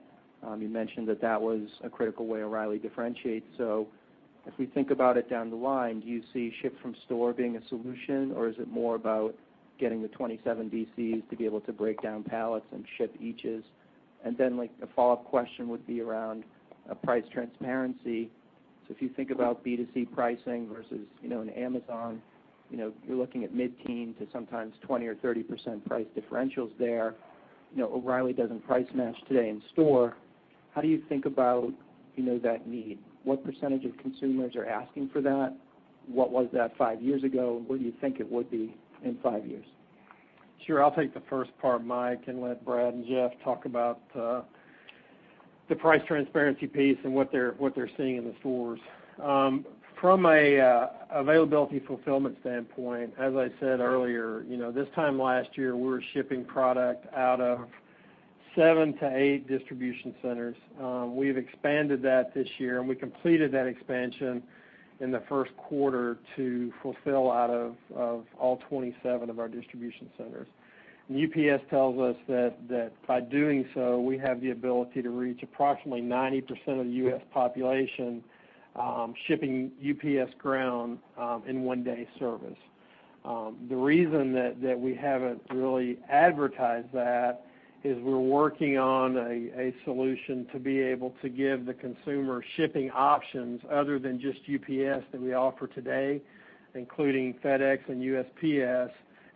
You mentioned that that was a critical way O'Reilly differentiates. If we think about it down the line, do you see ship from store being a solution, or is it more about getting the 27 DCs to be able to break down pallets and ship eaches? A follow-up question would be around price transparency. If you think about B2C pricing versus an Amazon, you're looking at mid-teen to sometimes 20% or 30% price differentials there. O'Reilly doesn't price match today in store. How do you think about that need? What percentage of consumers are asking for that? What was that five years ago, and what do you think it would be in five years? Sure. I'll take the first part, Mike, and let Brad and Jeff talk about the price transparency piece and what they're seeing in the stores. From a availability fulfillment standpoint, as I said earlier, this time last year, we were shipping product out of seven to eight distribution centers. We've expanded that this year, and we completed that expansion in the first quarter to fulfill out of all 27 of our distribution centers. UPS tells us that by doing so, we have the ability to reach approximately 90% of the U.S. population shipping UPS Ground in one-day service. The reason that we haven't really advertised that is we're working on a solution to be able to give the consumer shipping options other than just UPS that we offer today, including FedEx and USPS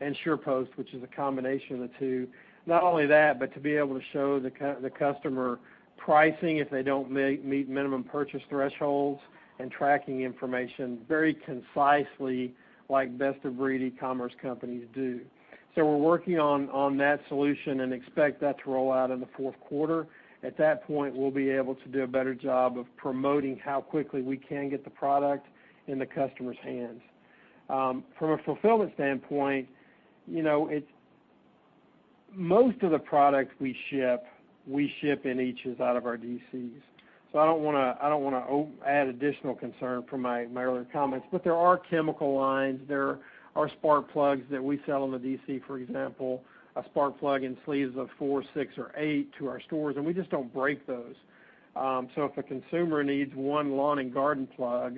and SurePost, which is a combination of the two. Not only that, to be able to show the customer pricing if they don't meet minimum purchase thresholds and tracking information very concisely like best-of-breed e-commerce companies do. We're working on that solution and expect that to roll out in the fourth quarter. At that point, we'll be able to do a better job of promoting how quickly we can get the product in the customer's hands. From a fulfillment standpoint, most of the products we ship, we ship in eaches out of our DCs. I don't want to add additional concern from my earlier comments, but there are chemical lines. There are spark plugs that we sell in the DC, for example, a spark plug in sleeves of four, six, or eight to our stores, and we just don't break those. If a consumer needs one lawn and garden plug,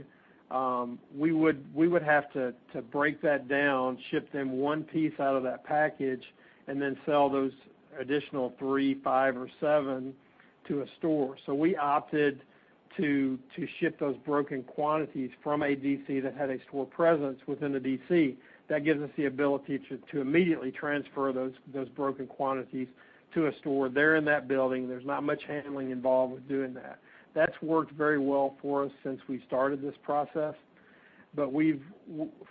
we would have to break that down, ship them one piece out of that package, and then sell those additional three, five, or seven to a store. We opted to ship those broken quantities from a DC that had a store presence within the DC. That gives us the ability to immediately transfer those broken quantities to a store. They're in that building. There's not much handling involved with doing that. That's worked very well for us since we started this process. Both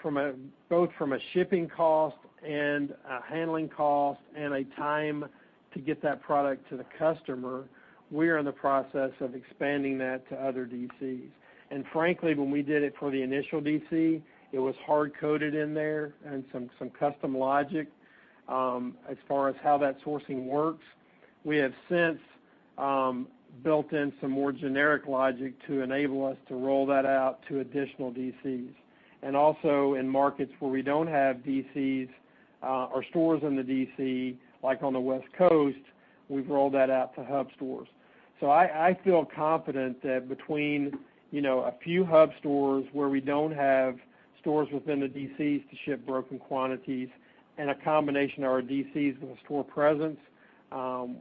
from a shipping cost and a handling cost and a time to get that product to the customer, we are in the process of expanding that to other DCs. Frankly, when we did it for the initial DC, it was hard-coded in there and some custom logic as far as how that sourcing works. We have since built in some more generic logic to enable us to roll that out to additional DCs. Also in markets where we don't have DCs or stores in the DC, like on the West Coast, we've rolled that out to hub stores. I feel confident that between a few hub stores where we don't have stores within the DCs to ship broken quantities and a combination of our DCs with a store presence,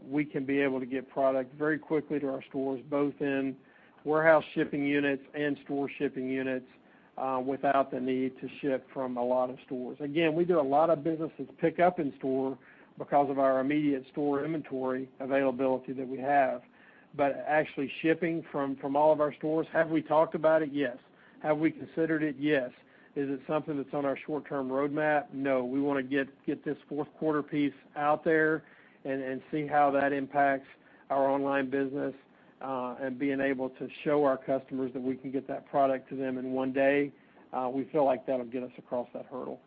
we can be able to get product very quickly to our stores, both in warehouse shipping units and store shipping units without the need to ship from a lot of stores. Again, we do a lot of business that's pick up in store because of our immediate store inventory availability that we have. Actually shipping from all of our stores, have we talked about it? Yes. Have we considered it? Yes. Is it something that's on our short-term roadmap? No. We want to get this fourth quarter piece out there and see how that impacts our online business and being able to show our customers that we can get that product to them in one day. We feel like that'll get us across that hurdle.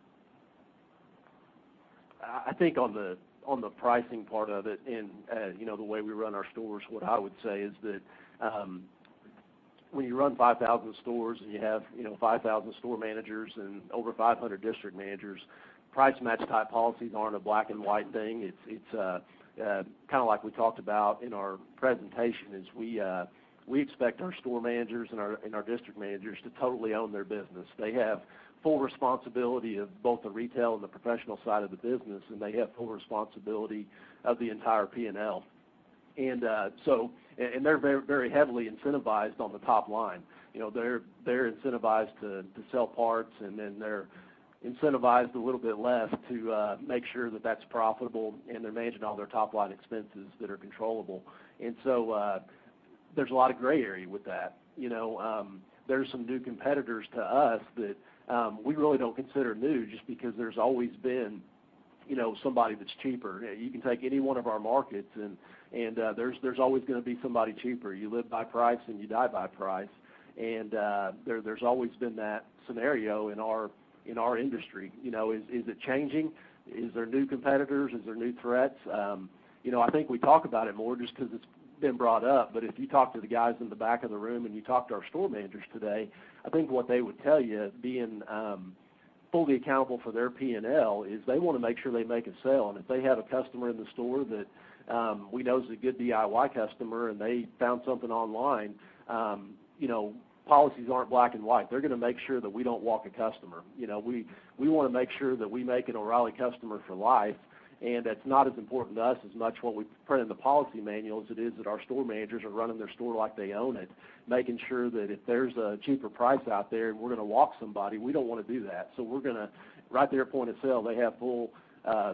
I think on the pricing part of it and the way we run our stores, what I would say is that when you run 5,000 stores and you have 5,000 store managers and over 500 district managers, price match type policies aren't a black and white thing. It's like we talked about in our presentation, we expect our store managers and our district managers to totally own their business. They have full responsibility of both the retail and the professional side of the business, and they have full responsibility of the entire P&L. They're very heavily incentivized on the top line. They're incentivized to sell parts, and then they're incentivized a little bit less to make sure that that's profitable, and they're managing all their top-line expenses that are controllable. So there's a lot of gray area with that. There's some new competitors to us that we really don't consider new just because there's always been somebody that's cheaper. You can take any one of our markets and there's always going to be somebody cheaper. You live by price, and you die by price. There's always been that scenario in our industry. Is it changing? Is there new competitors? Is there new threats? I think we talk about it more just because it's been brought up, but if you talk to the guys in the back of the room, and you talk to our store managers today, I think what they would tell you, being fully accountable for their P&L, is they want to make sure they make a sale. If they have a customer in the store that we know is a good DIY customer, and they found something online, policies aren't black and white. They're going to make sure that we don't walk a customer. We want to make sure that we make an O'Reilly customer for life, and that's not as important to us as much what we print in the policy manual, as it is that our store managers are running their store like they own it, making sure that if there's a cheaper price out there and we're going to walk somebody, we don't want to do that. Right there at point of sale, they have full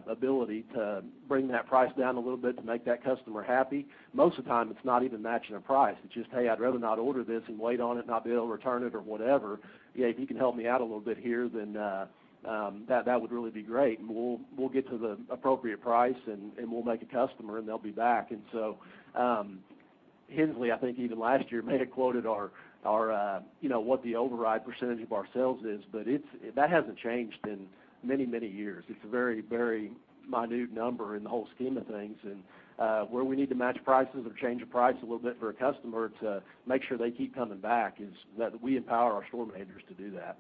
ability to bring that price down a little bit to make that customer happy. Most of the time, it's not even matching a price. It's just, "Hey, I'd rather not order this and wait on it and not be able to return it or whatever. If you can help me out a little bit here, then that would really be great." We'll get to the appropriate price, and we'll make a customer, and they'll be back. Henslee, I think even last year may have quoted what the override percentage of our sales is, but that hasn't changed in many, many years. It's a very minute number in the whole scheme of things. Where we need to match prices or change a price a little bit for a customer to make sure they keep coming back is that we empower our store managers to do that.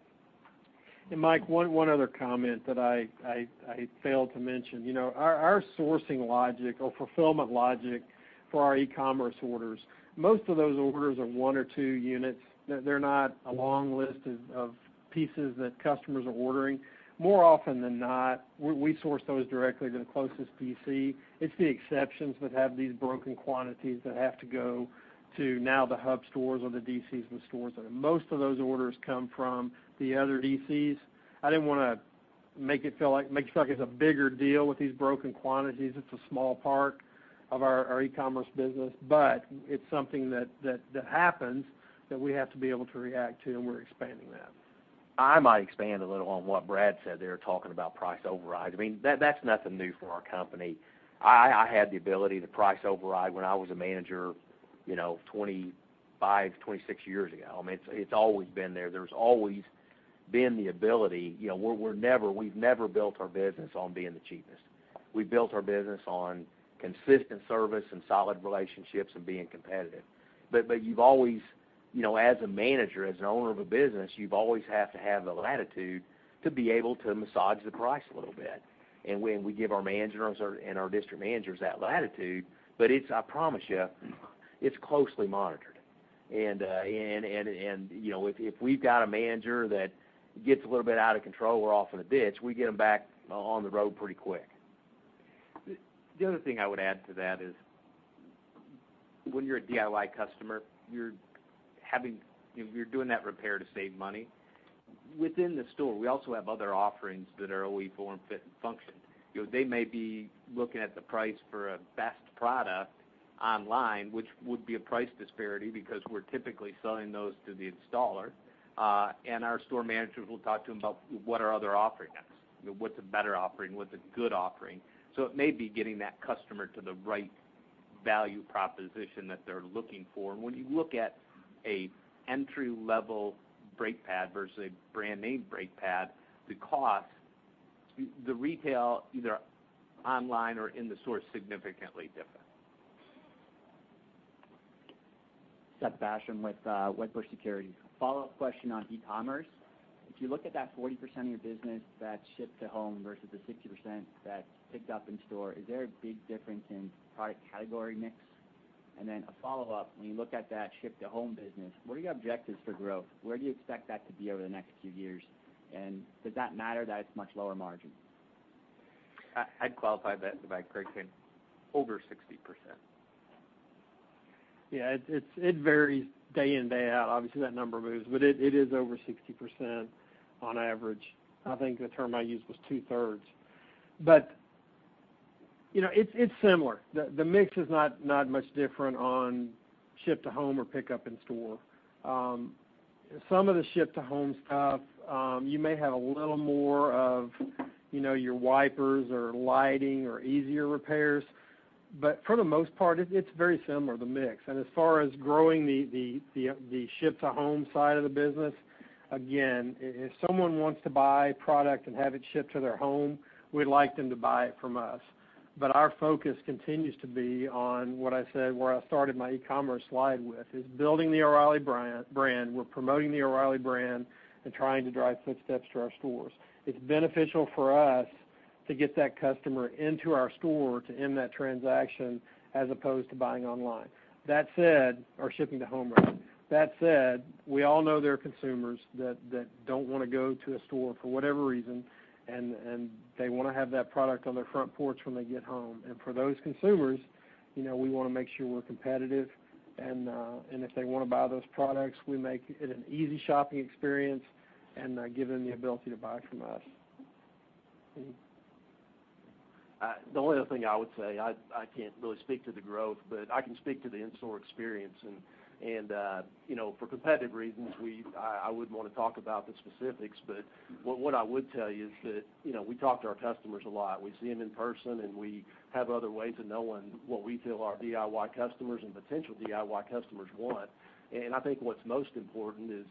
Mike, one other comment that I failed to mention. Our sourcing logic or fulfillment logic for our e-commerce orders, most of those orders are one or two units. They're not a long list of pieces that customers are ordering. More often than not, we source those directly to the closest DC. It's the exceptions that have these broken quantities that have to go to now the hub stores or the DCs in stores. Most of those orders come from the other DCs. I didn't want to make it feel like it's a bigger deal with these broken quantities. It's a small part of our e-commerce business, but it's something that happens that we have to be able to react to, and we're expanding that. I might expand a little on what Brad said there, talking about price overrides. That's nothing new for our company. I had the ability to price override when I was a manager 25, 26 years ago. It's always been there. There's always been the ability. We've never built our business on being the cheapest. We've built our business on consistent service and solid relationships and being competitive. You've always, as a manager, as an owner of a business, you've always have to have the latitude to be able to massage the price a little bit. We give our managers and our district managers that latitude, but I promise you, it's closely monitored. If we've got a manager that gets a little bit out of control or off in a ditch, we get them back on the road pretty quick. The other thing I would add to that is when you're a DIY customer, you're doing that repair to save money. Within the store, we also have other offerings that are OE form, fit, and function. They may be looking at the price for a best product online, which would be a price disparity because we're typically selling those to the installer. Our store managers will talk to them about what are other offerings. What's a better offering? What's a good offering? It may be getting that customer to the right value proposition that they're looking for. When you look at an entry-level brake pad versus a brand-name brake pad, the cost, the retail, either online or in the store, is significantly different. Seth Basham with Wedbush Securities. A follow-up question on e-commerce. If you look at that 40% of your business that's shipped to home versus the 60% that's picked up in store, is there a big difference in product category mix? Then a follow-up, when you look at that ship-to-home business, what are your objectives for growth? Where do you expect that to be over the next few years? Does that matter that it's much lower margin? I'd qualify that, if I correct him, over 60%. Yeah. It varies day in, day out. Obviously, that number moves, but it is over 60% on average. I think the term I used was two-thirds. It's similar. The mix is not much different on ship to home or pick up in store. Some of the ship-to-home stuff you may have a little more of your wipers or lighting or easier repairs, but for the most part, it's very similar, the mix. As far as growing the ship-to-home side of the business, again, if someone wants to buy product and have it shipped to their home, we'd like them to buy it from us. Our focus continues to be on what I said, where I started my e-commerce slide with, is building the O'Reilly brand. We're promoting the O'Reilly brand and trying to drive footsteps to our stores. It's beneficial for us to get that customer into our store to end that transaction as opposed to buying online or shipping to home. That said, we all know there are consumers that don't want to go to a store for whatever reason, and they want to have that product on their front porch when they get home. For those consumers, we want to make sure we're competitive, and if they want to buy those products, we make it an easy shopping experience and give them the ability to buy from us. Seth? The only other thing I would say, I can't really speak to the growth, but I can speak to the in-store experience. For competitive reasons, I wouldn't want to talk about the specifics, but what I would tell you is that we talk to our customers a lot. We see them in person, and we have other ways of knowing what we feel our DIY customers and potential DIY customers want. I think what's most important is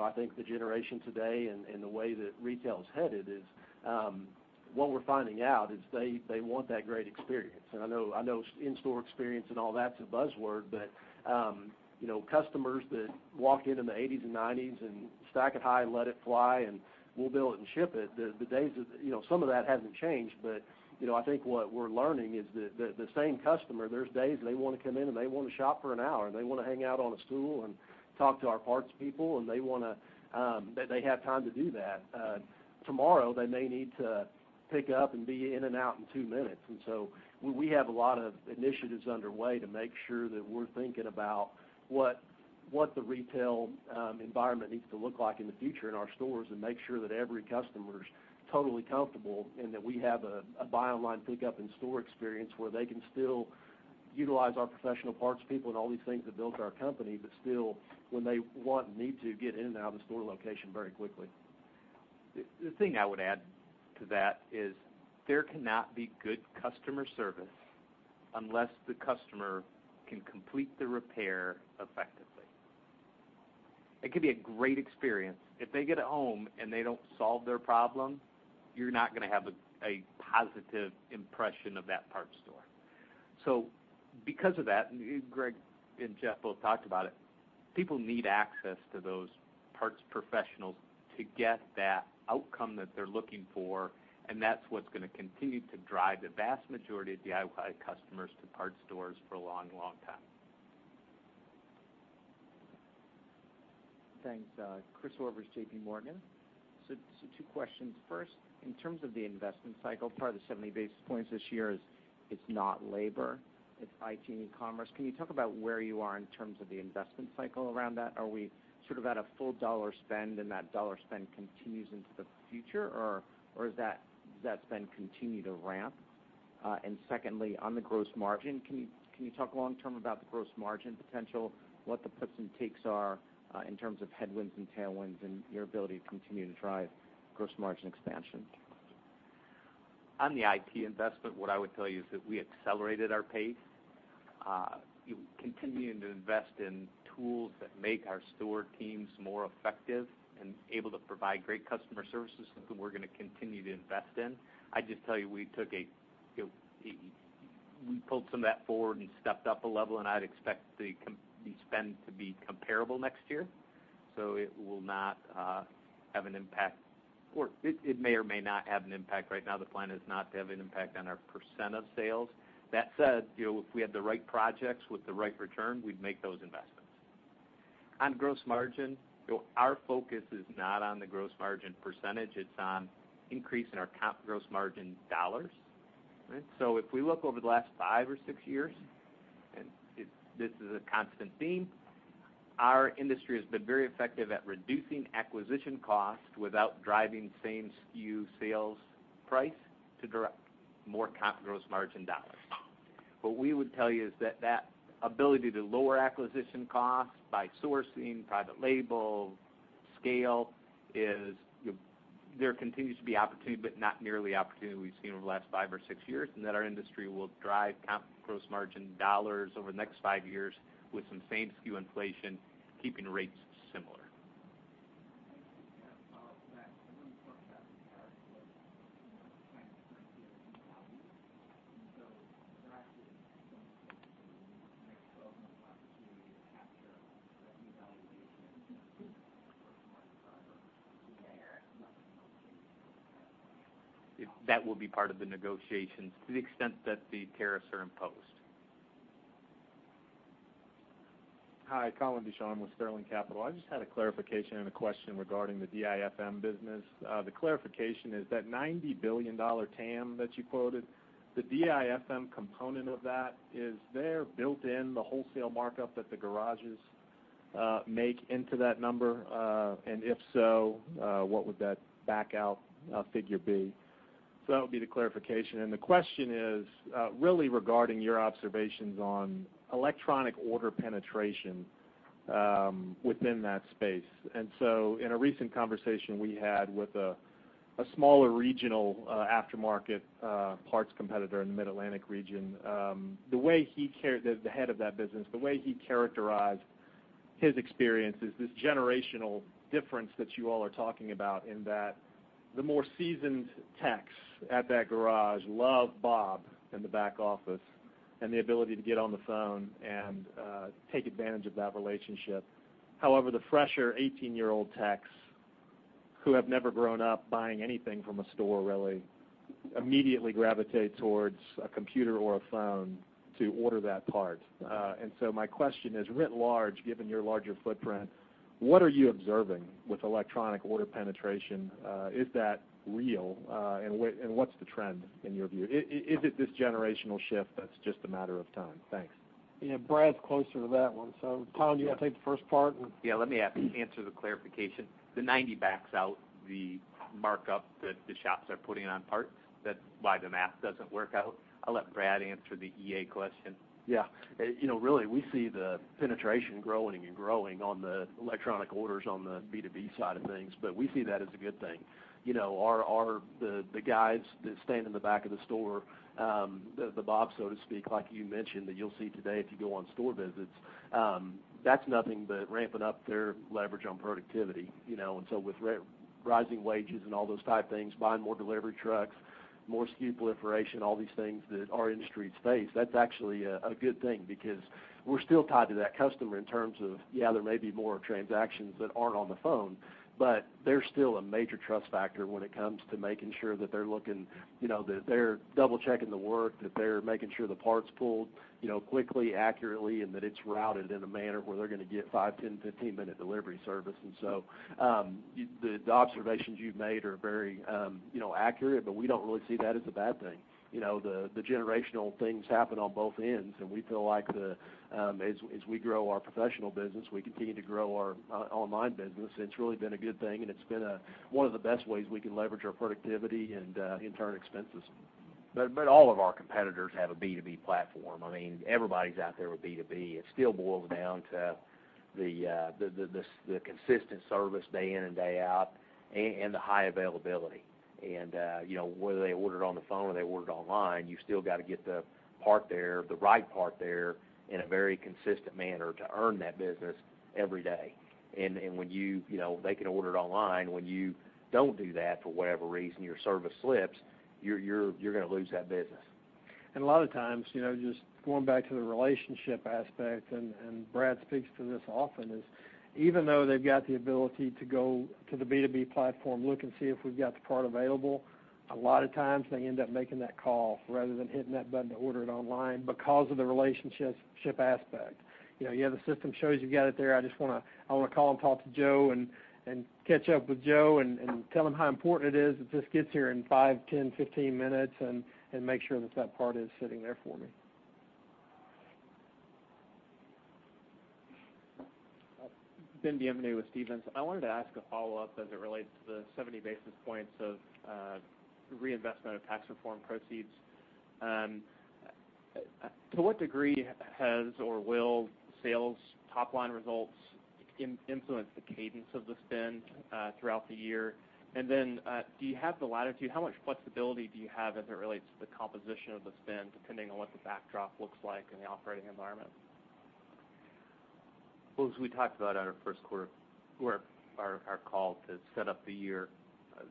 I think the generation today and the way that retail is headed is, what we're finding out is they want that great experience. I know in-store experience and all that's a buzzword, but customers that walked in in the '80s and '90s and stack it high and let it fly, and we'll build it and ship it, some of that hasn't changed. I think what we're learning is that the same customer, there's days they want to come in and they want to shop for an hour, and they want to hang out on a stool and talk to our parts people, and they have time to do that. Tomorrow, they may need to pick up and be in and out in two minutes. We have a lot of initiatives underway to make sure that we're thinking about what the retail environment needs to look like in the future in our stores and make sure that every customer's totally comfortable and that we have a buy online pick up in store experience where they can still utilize our professional parts people and all these things that built our company, but still when they want and need to get in and out of the store location very quickly. The thing I would add to that is there cannot be good customer service unless the customer can complete the repair effectively. It could be a great experience. If they get home and they don't solve their problem, you're not going to have a positive impression of that parts store. Because of that, Greg and Jeff both talked about it, people need access to those parts professionals to get that outcome that they're looking for, and that's what's going to continue to drive the vast majority of DIY customers to parts stores for a long time. Thanks. Christopher Horvers, JPMorgan. Two questions. First, in terms of the investment cycle, part of the 70 basis points this year is it's not labor, it's IT and e-commerce. Can you talk about where you are in terms of the investment cycle around that? Are we sort of at a full dollar spend and that dollar spend continues into the future, or does that spend continue to ramp? Secondly, on the gross margin, can you talk long term about the gross margin potential, what the puts and takes are in terms of headwinds and tailwinds, and your ability to continue to drive gross margin expansion? On the IT investment, what I would tell you is that we accelerated our pace. Continuing to invest in tools that make our store teams more effective and able to provide great customer services is who we're going to continue to invest in. I'd just tell you, we pulled some of that forward and stepped up a level, and I'd expect the spend to be comparable next year. It will not have an impact, or it may or may not have an impact. Right now, the plan is not to have an impact on our % of sales. That said, if we had the right projects with the right return, we'd make those investments. On gross margin, our focus is not on the gross margin percentage. It's on increasing our comp gross margin dollars. If we look over the last five or six years, and this is a constant theme, our industry has been very effective at reducing acquisition cost without driving same SKU sales price to direct more comp gross margin dollars. What we would tell you is that ability to lower acquisition costs by sourcing private label scale is there continues to be opportunity, but not nearly opportunity we've seen over the last five or six years, and that our industry will drive comp gross margin dollars over the next five years with some same SKU inflation keeping rates similar. I think, Jeff, that when you talk about the tariffs, what you want to transfer to your new value. That is something that you would make sure opens up opportunity to capture on the revaluation of gross margin dollars there. That will be part of the negotiations to the extent that the tariffs are imposed. Hi, Colin Deschamps with Sterling Capital. I just had a clarification and a question regarding the DIFM business. The clarification is that $90 billion TAM that you quoted, the DIFM component of that, is there built in the wholesale markup that the garages make into that number? If so, what would that back out figure be? That would be the clarification. The question is really regarding your observations on electronic order penetration within that space. In a recent conversation we had with a smaller regional aftermarket parts competitor in the Mid-Atlantic region, the head of that business, the way he characterized his experience is this generational difference that you all are talking about in that the more seasoned techs at that garage love Bob in the back office and the ability to get on the phone and take advantage of that relationship. However, the fresher 18-year-old techs who have never grown up buying anything from a store really, immediately gravitate towards a computer or a phone to order that part. My question is, writ large, given your larger footprint, what are you observing with electronic order penetration? Is that real, and what's the trend in your view? Is it this generational shift that's just a matter of time? Thanks. Yeah. Brad's closer to that one. Tom, do you want to take the first part and- Yeah, let me answer the clarification. The 90 backs out the markup that the shops are putting on parts. That's why the math doesn't work out. I'll let Brad answer the electronic ordering question. Yeah. Really, we see the penetration growing on the electronic orders on the B2B side of things, we see that as a good thing. The guys that stand in the back of the store, the Bobs, so to speak, like you mentioned, that you'll see today if you go on store visits, that's nothing but ramping up their leverage on productivity. With rising wages and all those type things, buying more delivery trucks, more SKU proliferation, all these things that our industries face, that's actually a good thing because we're still tied to that customer in terms of, yeah, there may be more transactions that aren't on the phone, there's still a major trust factor when it comes to making sure that they're double-checking the work, that they're making sure the part's pulled quickly, accurately, and that it's routed in a manner where they're going to get 5, 10, 15-minute delivery service. The observations you've made are very accurate, we don't really see that as a bad thing. The generational things happen on both ends, we feel like as we grow our professional business, we continue to grow our online business, it's really been a good thing, it's been one of the best ways we can leverage our productivity and in turn, expenses. All of our competitors have a B2B platform. Everybody's out there with B2B. It still boils down to the consistent service day in and day out and the high availability. Whether they order it on the phone or they order it online, you still got to get the part there, the right part there, in a very consistent manner to earn that business every day. They can order it online. When you don't do that for whatever reason, your service slips, you're going to lose that business. A lot of times, just going back to the relationship aspect, and Brad speaks to this often, is even though they've got the ability to go to the B2B platform, look and see if we've got the part available, a lot of times they end up making that call rather than hitting that button to order it online because of the relationship aspect. Yeah, the system shows you've got it there. I want to call and talk to Joe and catch up with Joe and tell him how important it is that this gets here in 5, 10, 15 minutes and make sure that part is sitting there for me. Ben Bienvenu with Stephens. I wanted to ask a follow-up as it relates to the 70 basis points of reinvestment of tax reform proceeds. To what degree has or will sales top-line results influence the cadence of the spend throughout the year? Do you have the latitude, how much flexibility do you have as it relates to the composition of the spend, depending on what the backdrop looks like in the operating environment? Well, as we talked about at our first quarter call to set up the year,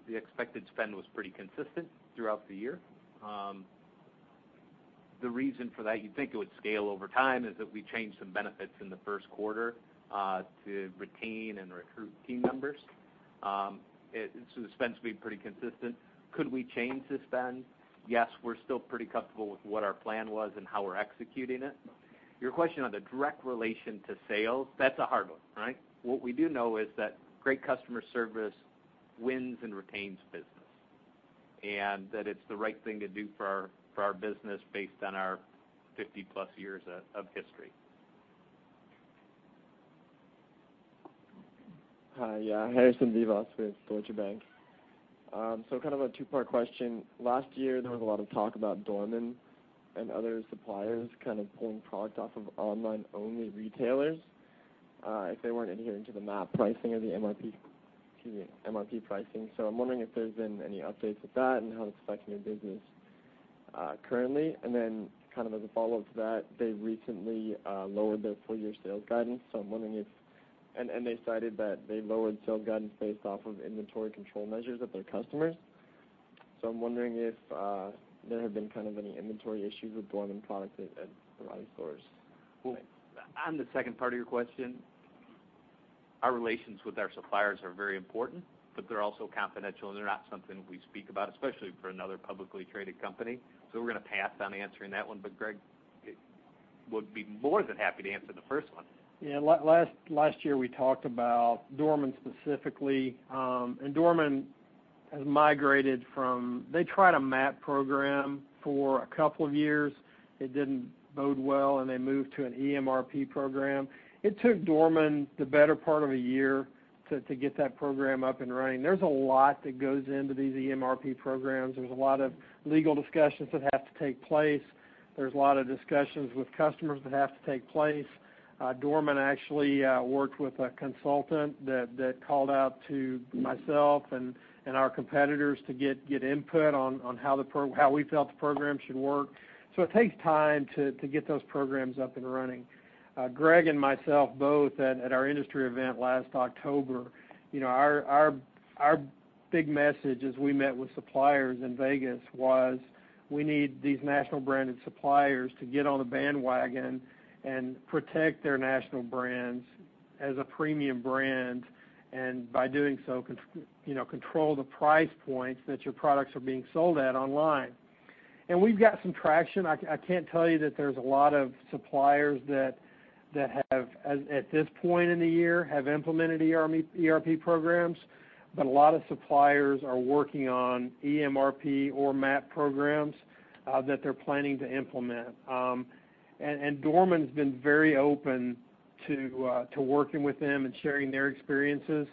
the expected spend was pretty consistent throughout the year. The reason for that, you'd think it would scale over time, is that we changed some benefits in the first quarter, to retain and recruit team members. The spend's been pretty consistent. Could we change the spend? Yes. We're still pretty comfortable with what our plan was and how we're executing it. Your question on the direct relation to sales, that's a hard one, right? What we do know is that great customer service wins and retains business, and that it's the right thing to do for our business based on our 50-plus years of history. Hi, yeah. Harrison Vivas with Deutsche Bank. Kind of a two-part question. Last year, there was a lot of talk about Dorman and other suppliers kind of pulling product off of online-only retailers, if they weren't adhering to the MAP pricing or the MRP pricing. I'm wondering if there's been any updates with that and how it's affecting your business currently. Kind of as a follow-up to that, they recently lowered their full-year sales guidance, and they cited that they lowered sales guidance based off of inventory control measures of their customers. I'm wondering if there have been kind of any inventory issues with Dorman products at O'Reilly stores. On the second part of your question, our relations with our suppliers are very important, but they're also confidential, and they're not something we speak about, especially for another publicly traded company. We're going to pass on answering that one. Greg would be more than happy to answer the first one. Yeah. Last year we talked about Dorman specifically. Dorman has migrated from. They tried a MAP program for a couple of years. It didn't bode well, and they moved to an eMRP program. It took Dorman the better part of 1 year to get that program up and running. There's a lot that goes into these eMRP programs. There's a lot of legal discussions that have to take place. There's a lot of discussions with customers that have to take place. Dorman actually worked with a consultant that called out to myself and our competitors to get input on how we felt the program should work. So it takes time to get those programs up and running. Greg and myself both at our industry event last October, our big message as we met with suppliers in Vegas was, we need these national branded suppliers to get on the bandwagon and protect their national brands as a premium brand, and by doing so, control the price points that your products are being sold at online. We've got some traction. I can't tell you that there's a lot of suppliers that, at this point in the year, have implemented eMRP programs, but a lot of suppliers are working on eMRP or MAP programs that they're planning to implement. Dorman's been very open to working with them and sharing their experiences.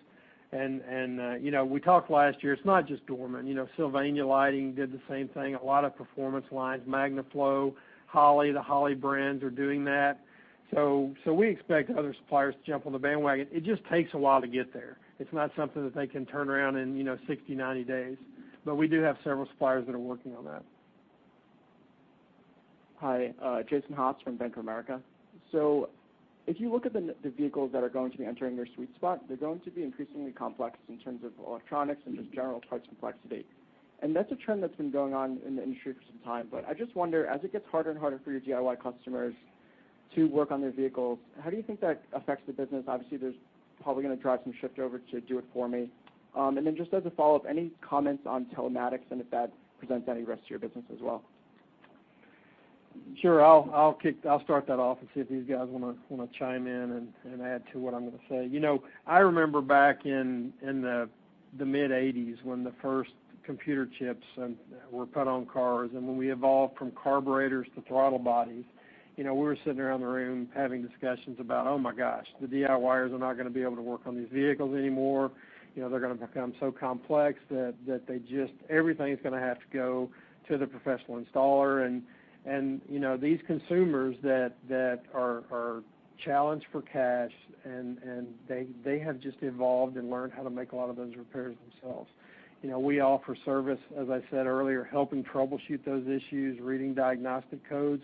We talked last year, it's not just Dorman. Sylvania Lighting did the same thing. A lot of performance lines, MagnaFlow, Holley, the Holley brands are doing that. We expect other suppliers to jump on the bandwagon. It just takes a while to get there. It's not something that they can turn around in 60, 90 days. But we do have several suppliers that are working on that. Hi. Jason Haas from Bank of America. If you look at the vehicles that are going to be entering your sweet spot, they're going to be increasingly complex in terms of electronics and just general part complexity. That's a trend that's been going on in the industry for some time. I just wonder, as it gets harder and harder for your DIY customers to work on their vehicles, how do you think that affects the business? Obviously, that's probably going to drive some shift over to Do It For Me. Then just as a follow-up, any comments on telematics and if that presents any risk to your business as well? Sure. I'll start that off and see if these guys want to chime in and add to what I'm going to say. I remember back in the mid-'80s, when the first computer chips were put on cars, and when we evolved from carburetors to throttle bodies. We were sitting around the room having discussions about, oh, my gosh, the DIYers are not going to be able to work on these vehicles anymore. They're going to become so complex that just everything's going to have to go to the professional installer. These consumers that are challenged for cash, and they have just evolved and learned how to make a lot of those repairs themselves. We offer service, as I said earlier, helping troubleshoot those issues, reading diagnostic codes.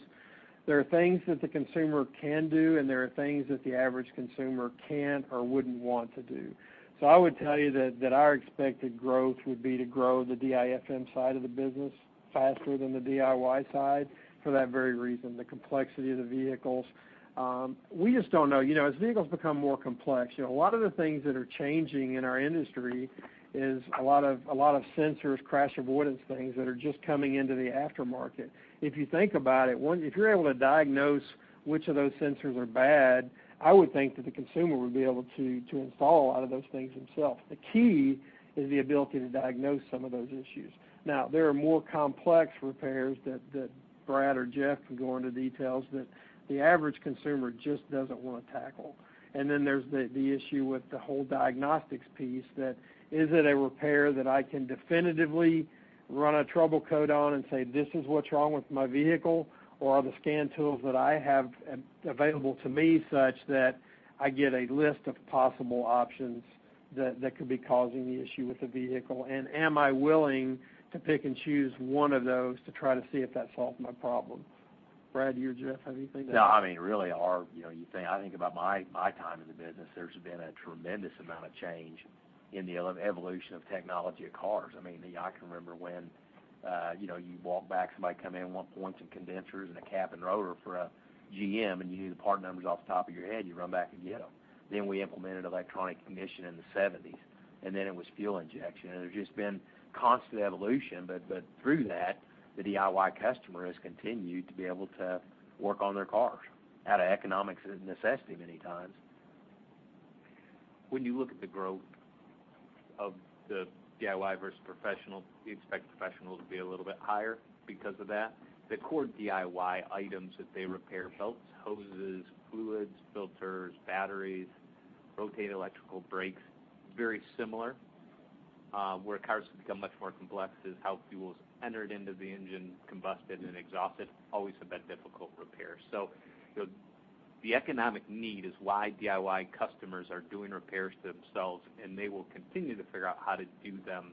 There are things that the consumer can do, and there are things that the average consumer can't or wouldn't want to do. I would tell you that our expected growth would be to grow the DIFM side of the business faster than the DIY side for that very reason, the complexity of the vehicles. We just don't know. As vehicles become more complex, a lot of the things that are changing in our industry is a lot of sensors, crash avoidance things that are just coming into the aftermarket. If you think about it, if you're able to diagnose which of those sensors are bad, I would think that the consumer would be able to install a lot of those things themselves. The key is the ability to diagnose some of those issues. There are more complex repairs that Brad or Jeff can go into details, that the average consumer just doesn't want to tackle. There's the issue with the whole diagnostics piece that, is it a repair that I can definitively run a trouble code on and say, "This is what's wrong with my vehicle," or are the scan tools that I have available to me such that I get a list of possible options that could be causing the issue with the vehicle, and am I willing to pick and choose one of those to try to see if that solves my problem? Brad, you or Jeff. No, I mean, really, I think about my time in the business, there's been a tremendous amount of change in the evolution of technology of cars. I can remember when you walk back, somebody come in and want some condensers and a cap and rotor for a GM, and you knew the part numbers off the top of your head, you run back and get them. We implemented electronic ignition in the '70s, and then it was fuel injection. There's just been constant evolution. Through that, the DIY customer has continued to be able to work on their cars out of economics and necessity many times. When you look at the growth of the DIY versus professional, do you expect professional to be a little bit higher because of that? The core DIY items that they repair, belts, hoses, fluids, filters, batteries, rotate electrical, brakes, very similar. Where cars have become much more complex is how fuels entered into the engine, combusted, and exhausted, always have been difficult repairs. The economic need is why DIY customers are doing repairs themselves, and they will continue to figure out how to do them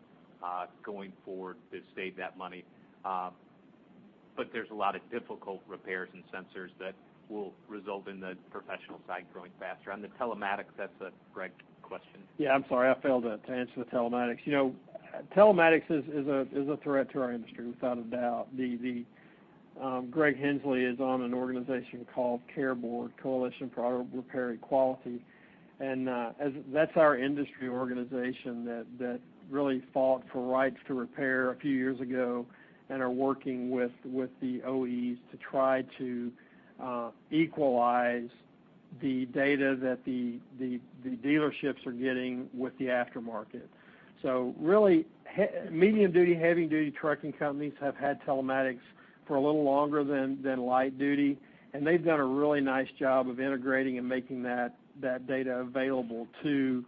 going forward to save that money. There's a lot of difficult repairs and sensors that will result in the professional side growing faster. On the telematics, that's a Greg question. Yeah, I'm sorry. I failed to answer the telematics. Telematics is a threat to our industry, without a doubt. Greg Henslee is on an organization called CARE Board, Coalition for Auto Repair Equality. That's our industry organization that really fought for rights to repair a few years ago and are working with the OEs to try to equalize the data that the dealerships are getting with the aftermarket. Really, medium-duty, heavy-duty trucking companies have had telematics for a little longer than light-duty, and they've done a really nice job of integrating and making that data available to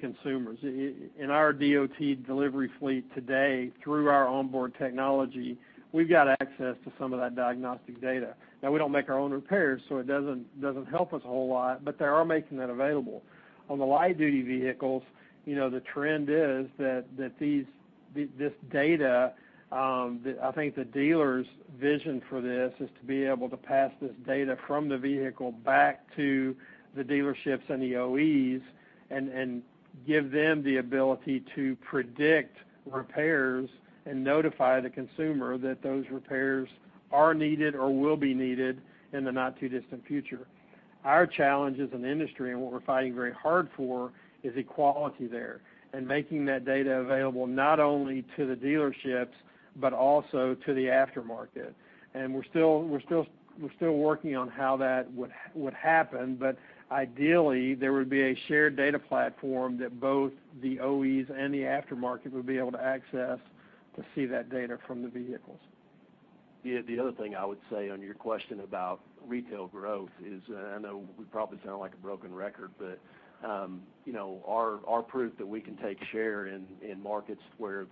consumers. In our DOT delivery fleet today, through our onboard technology, we've got access to some of that diagnostic data. Now we don't make our own repairs, so it doesn't help us a whole lot, but they are making that available. On the light-duty vehicles, the trend is that these This data, I think the dealers' vision for this is to be able to pass this data from the vehicle back to the dealerships and the OEs and give them the ability to predict repairs and notify the consumer that those repairs are needed or will be needed in the not-too-distant future. Our challenge as an industry, and what we're fighting very hard for, is equality there and making that data available not only to the dealerships but also to the aftermarket. We're still working on how that would happen. Ideally, there would be a shared data platform that both the OEs and the aftermarket would be able to access to see that data from the vehicles. The other thing I would say on your question about retail growth is, I know we probably sound like a broken record, our proof that we can take share in markets where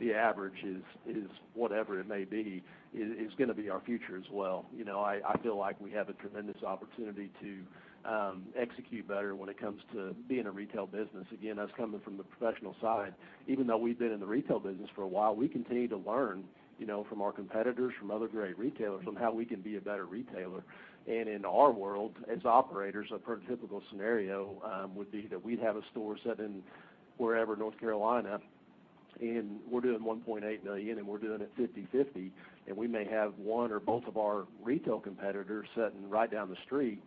the average is whatever it may be, is going to be our future as well. I feel like we have a tremendous opportunity to execute better when it comes to being a retail business. Again, that's coming from the professional side. Even though we've been in the retail business for a while, we continue to learn from our competitors, from other great retailers on how we can be a better retailer. In our world, as operators, a prototypical scenario would be that we'd have a store set in wherever, North Carolina, and we're doing $1.8 million, and we're doing it 50/50. We may have one or both of our retail competitors sitting right down the street,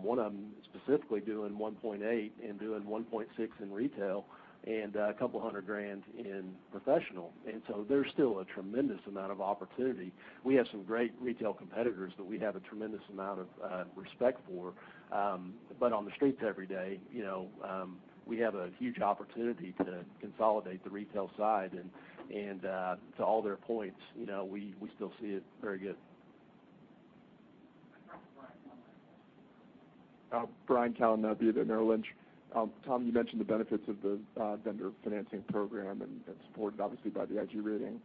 one of them specifically doing $1.8 and doing $1.6 in retail and $200 grand in professional. There's still a tremendous amount of opportunity. We have some great retail competitors that we have a tremendous amount of respect for. On the streets every day, we have a huge opportunity to consolidate the retail side, and to all their points, we still see it very good. I've got Brian Brian Kalinowski at Merrill Lynch. Tom, you mentioned the benefits of the vendor financing program and supported obviously by the IG rating.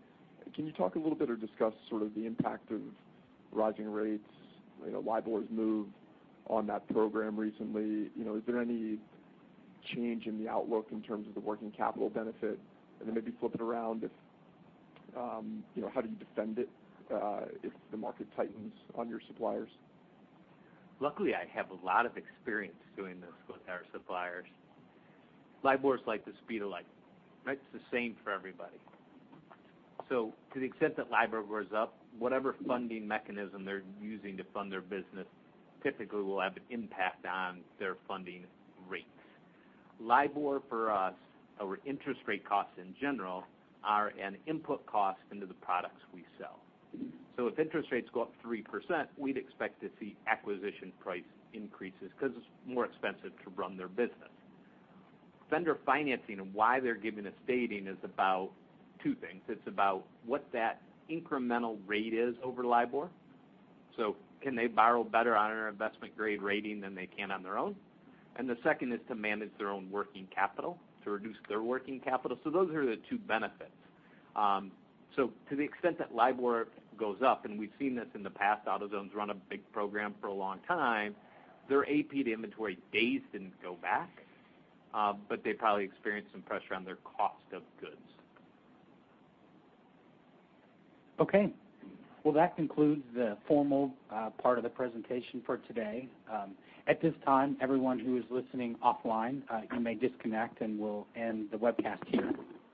Can you talk a little bit or discuss sort of the impact of rising rates, LIBOR's move on that program recently? Is there any change in the outlook in terms of the working capital benefit? Then maybe flip it around if, how do you defend it if the market tightens on your suppliers? Luckily, I have a lot of experience doing this with our suppliers. LIBOR is like the speed of light. It's the same for everybody. To the extent that LIBOR goes up, whatever funding mechanism they're using to fund their business typically will have an impact on their funding rates. LIBOR for us, or interest rate costs in general, are an input cost into the products we sell. If interest rates go up 3%, we'd expect to see acquisition price increases because it's more expensive to run their business. Vendor financing and why they're giving us stating is about two things. It's about what that incremental rate is over LIBOR. Can they borrow better on our investment-grade rating than they can on their own? The second is to manage their own working capital, to reduce their working capital. Those are the two benefits. To the extent that LIBOR goes up, and we've seen this in the past, AutoZone's run a big program for a long time, their AP to inventory days didn't go back, but they probably experienced some pressure on their cost of goods. Okay. That concludes the formal part of the presentation for today. At this time, everyone who is listening offline, you may disconnect, and we'll end the webcast here.